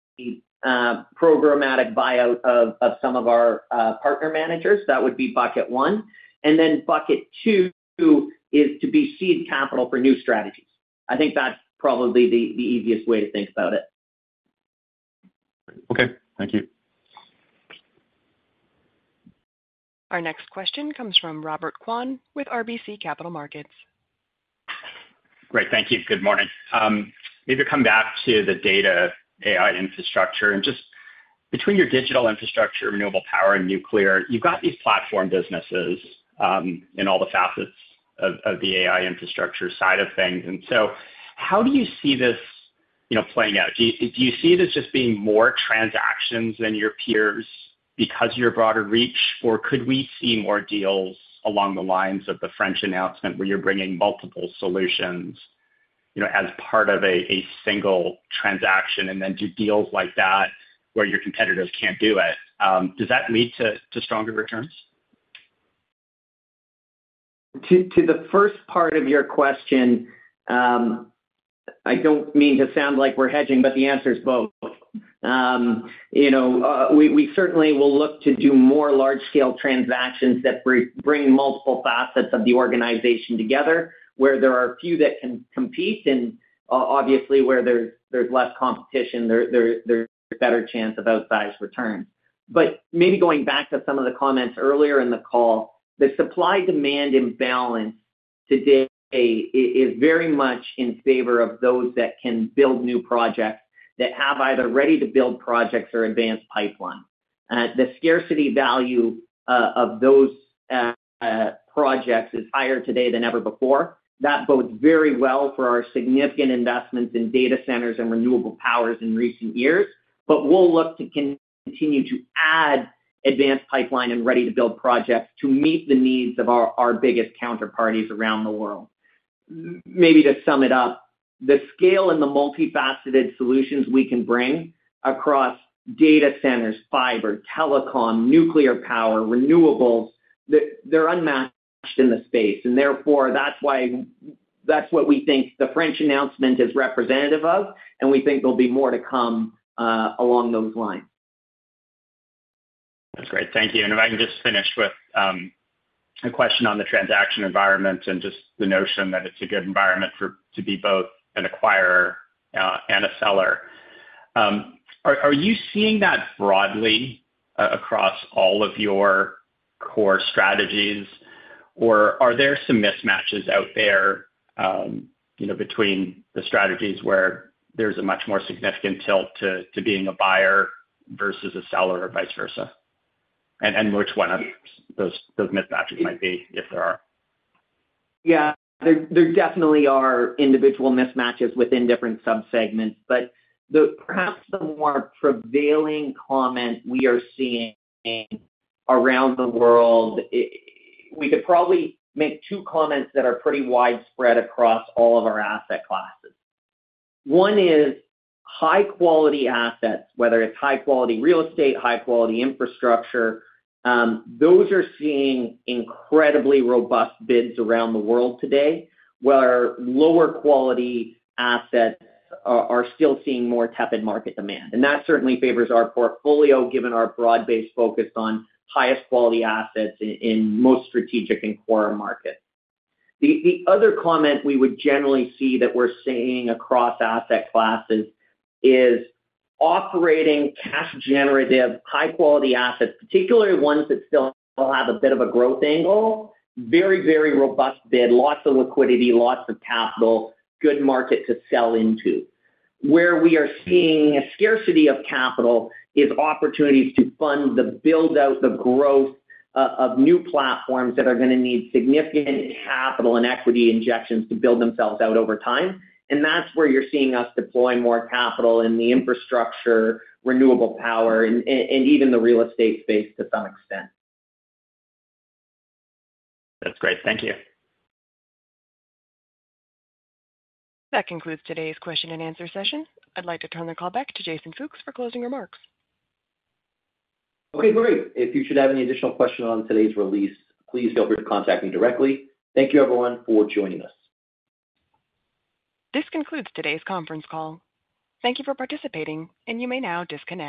programmatic buyout of some of our partner managers. That would be bucket one. And then bucket two is to be seed capital for new strategies. I think that's probably the easiest way to think about it. Okay. Thank you. Our next question comes from Robert Kwan with RBC Capital Markets. Great. Thank you. Good morning. Maybe come back to the data AI infrastructure. And just between your digital infrastructure, renewable power, and nuclear, you've got these platform businesses in all the facets of the AI infrastructure side of things. And so how do you see this playing out? Do you see this just being more transactions than your peers because of your broader reach, or could we see more deals along the lines of the French announcement where you're bringing multiple solutions as part of a single transaction and then do deals like that where your competitors can't do it? Does that lead to stronger returns? To the first part of your question, I don't mean to sound like we're hedging, but the answer is both. We certainly will look to do more large-scale transactions that bring multiple facets of the organization together where there are a few that can compete. And obviously, where there's less competition, there's a better chance of outsized returns. But maybe going back to some of the comments earlier in the call, the supply-demand imbalance today is very much in favor of those that can build new projects that have either ready-to-build projects or advanced pipelines. The scarcity value of those projects is higher today than ever before. That bodes very well for our significant investments in data centers and renewable powers in recent years. But we'll look to continue to add advanced pipeline and ready-to-build projects to meet the needs of our biggest counterparties around the world. Maybe to sum it up, the scale and the multifaceted solutions we can bring across data centers, fiber, telecom, nuclear power, renewables, they're unmatched in the space. And therefore, that's what we think the French announcement is representative of. We think there'll be more to come along those lines. That's great. Thank you. If I can just finish with a question on the transaction environment and just the notion that it's a good environment to be both an acquirer and a seller. Are you seeing that broadly across all of your core strategies, or are there some mismatches out there between the strategies where there's a much more significant tilt to being a buyer versus a seller or vice versa? Which one of those mismatches might be, if there are? Yeah. There definitely are individual mismatches within different subsegments. Perhaps the more prevailing comment we are seeing around the world, we could probably make two comments that are pretty widespread across all of our asset classes. One is high-quality assets, whether it's high-quality real estate, high-quality infrastructure. Those are seeing incredibly robust bids around the world today, where lower-quality assets are still seeing more tepid market demand. And that certainly favors our portfolio given our broad-based focus on highest-quality assets in most strategic and core markets. The other comment we would generally see that we're seeing across asset classes is operating cash-generative high-quality assets, particularly ones that still have a bit of a growth angle, very, very robust bid, lots of liquidity, lots of capital, good market to sell into. Where we are seeing a scarcity of capital is opportunities to fund the build-out, the growth of new platforms that are going to need significant capital and equity injections to build themselves out over time. And that's where you're seeing us deploy more capital in the infrastructure, renewable power, and even the real estate space to some extent. That's great. Thank you. That concludes today's question and answer session. I'd like to turn the call back to Jason Fooks for closing remarks. Okay. Great. If you should have any additional questions on today's release, please feel free to contact me directly. Thank you, everyone, for joining us. This concludes today's conference call. Thank you for participating, and you may now disconnect.